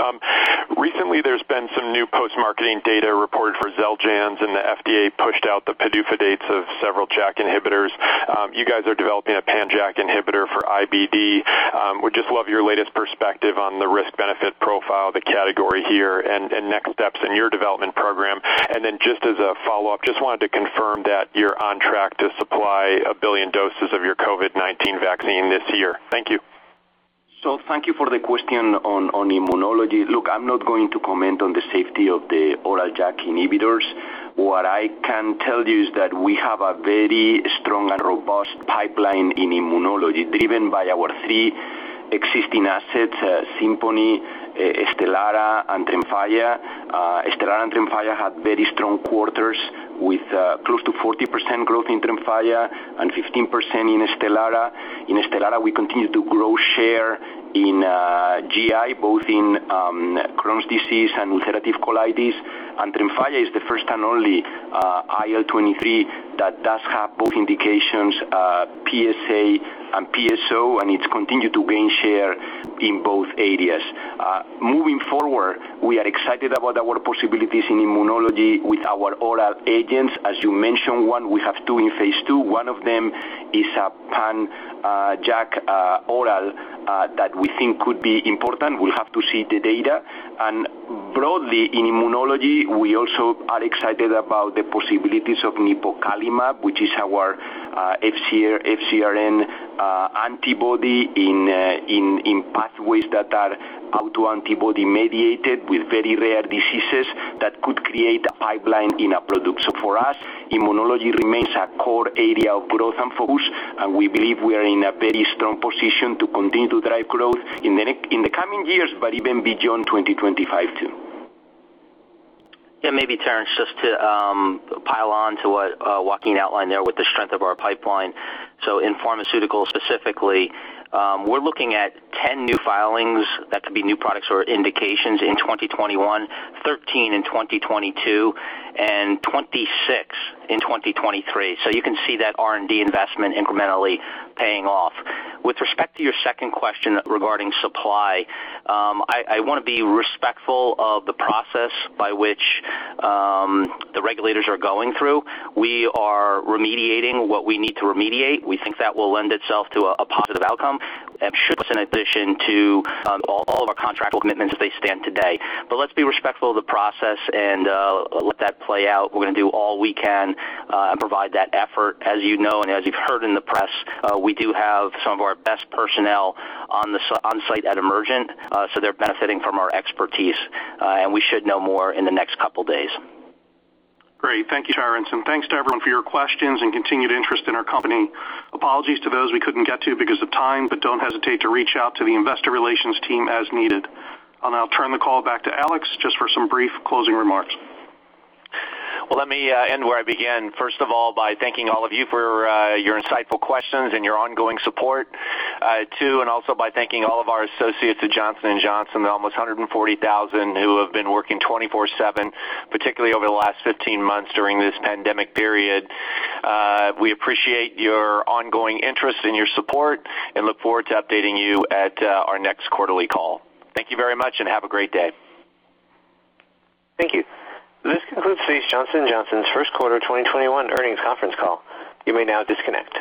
Recently, there's been some new post-marketing data reported for Xeljanz, and the FDA pushed out the PDUFA dates of several JAK inhibitors. You guys are developing a pan-JAK inhibitor for IBD. I would just love your latest perspective on the risk-benefit profile of the category here and next steps in your development program. I just wanted to confirm that you're on track to supply 1 billion doses of your COVID-19 vaccine this year. Thank you. Thank you for the question on immunology. Look, I'm not going to comment on the safety of the oral JAK inhibitors. What I can tell you is that we have a very strong and robust pipeline in immunology driven by our three existing assets, Simponi, Stelara, and Tremfya. Stelara and Tremfya had very strong quarters with close to 40% growth in Tremfya and 15% in Stelara. In Stelara, we continue to grow share in GI, both in Crohn's disease and ulcerative colitis. Tremfya is the first and only IL-23 that does have both indications, PSA and PSO, and it's continued to gain share in both areas. Moving forward, we are excited about our possibilities in immunology with our oral agents. As you mentioned, one, we have two in phase II. One of them is a pan-JAK oral that we think could be important. We'll have to see the data. Broadly in immunology, we also are excited about the possibilities of nipocalimab, which is our FcRn antibody in pathways that are autoantibody mediated with very rare diseases that could create a pipeline in a product. For us, immunology remains a core area of growth and focus, and we believe we are in a very strong position to continue to drive growth in the coming years, but even beyond 2025 too. Yeah, maybe Terence, just to pile on to what Joaquin outlined there with the strength of our pipeline. In pharmaceutical specifically, we're looking at 10 new filings. That could be new products or indications in 2021, 13 in 2022, and 26 in 2023. You can see that R&D investment incrementally paying off. With respect to your second question regarding supply, I want to be respectful of the process by which the regulators are going through. We are remediating what we need to remediate. We think that will lend itself to a positive outcome and should put us in a position to all of our contractual commitments as they stand today. Let's be respectful of the process and let that play out. We're going to do all we can and provide that effort. As you know, and as you've heard in the press, we do have some of our best personnel on site at Emergent, so they're benefiting from our expertise. We should know more in the next couple of days. Great. Thank you, Terence, thanks to everyone for your questions and continued interest in our company. Apologies to those we couldn't get to because of time, don't hesitate to reach out to the investor relations team as needed. I'll now turn the call back to Alex just for some brief closing remarks. Well, let me end where I began, first of all, by thanking all of you for your insightful questions and your ongoing support. Two, and also by thanking all of our associates at Johnson & Johnson, almost 140,000 who have been working 24/7, particularly over the last 15 months during this pandemic period. We appreciate your ongoing interest and your support and look forward to updating you at our next quarterly call. Thank you very much and have a great day. Thank you. This concludes today's Johnson & Johnson's first quarter 2021 earnings conference call. You may now disconnect.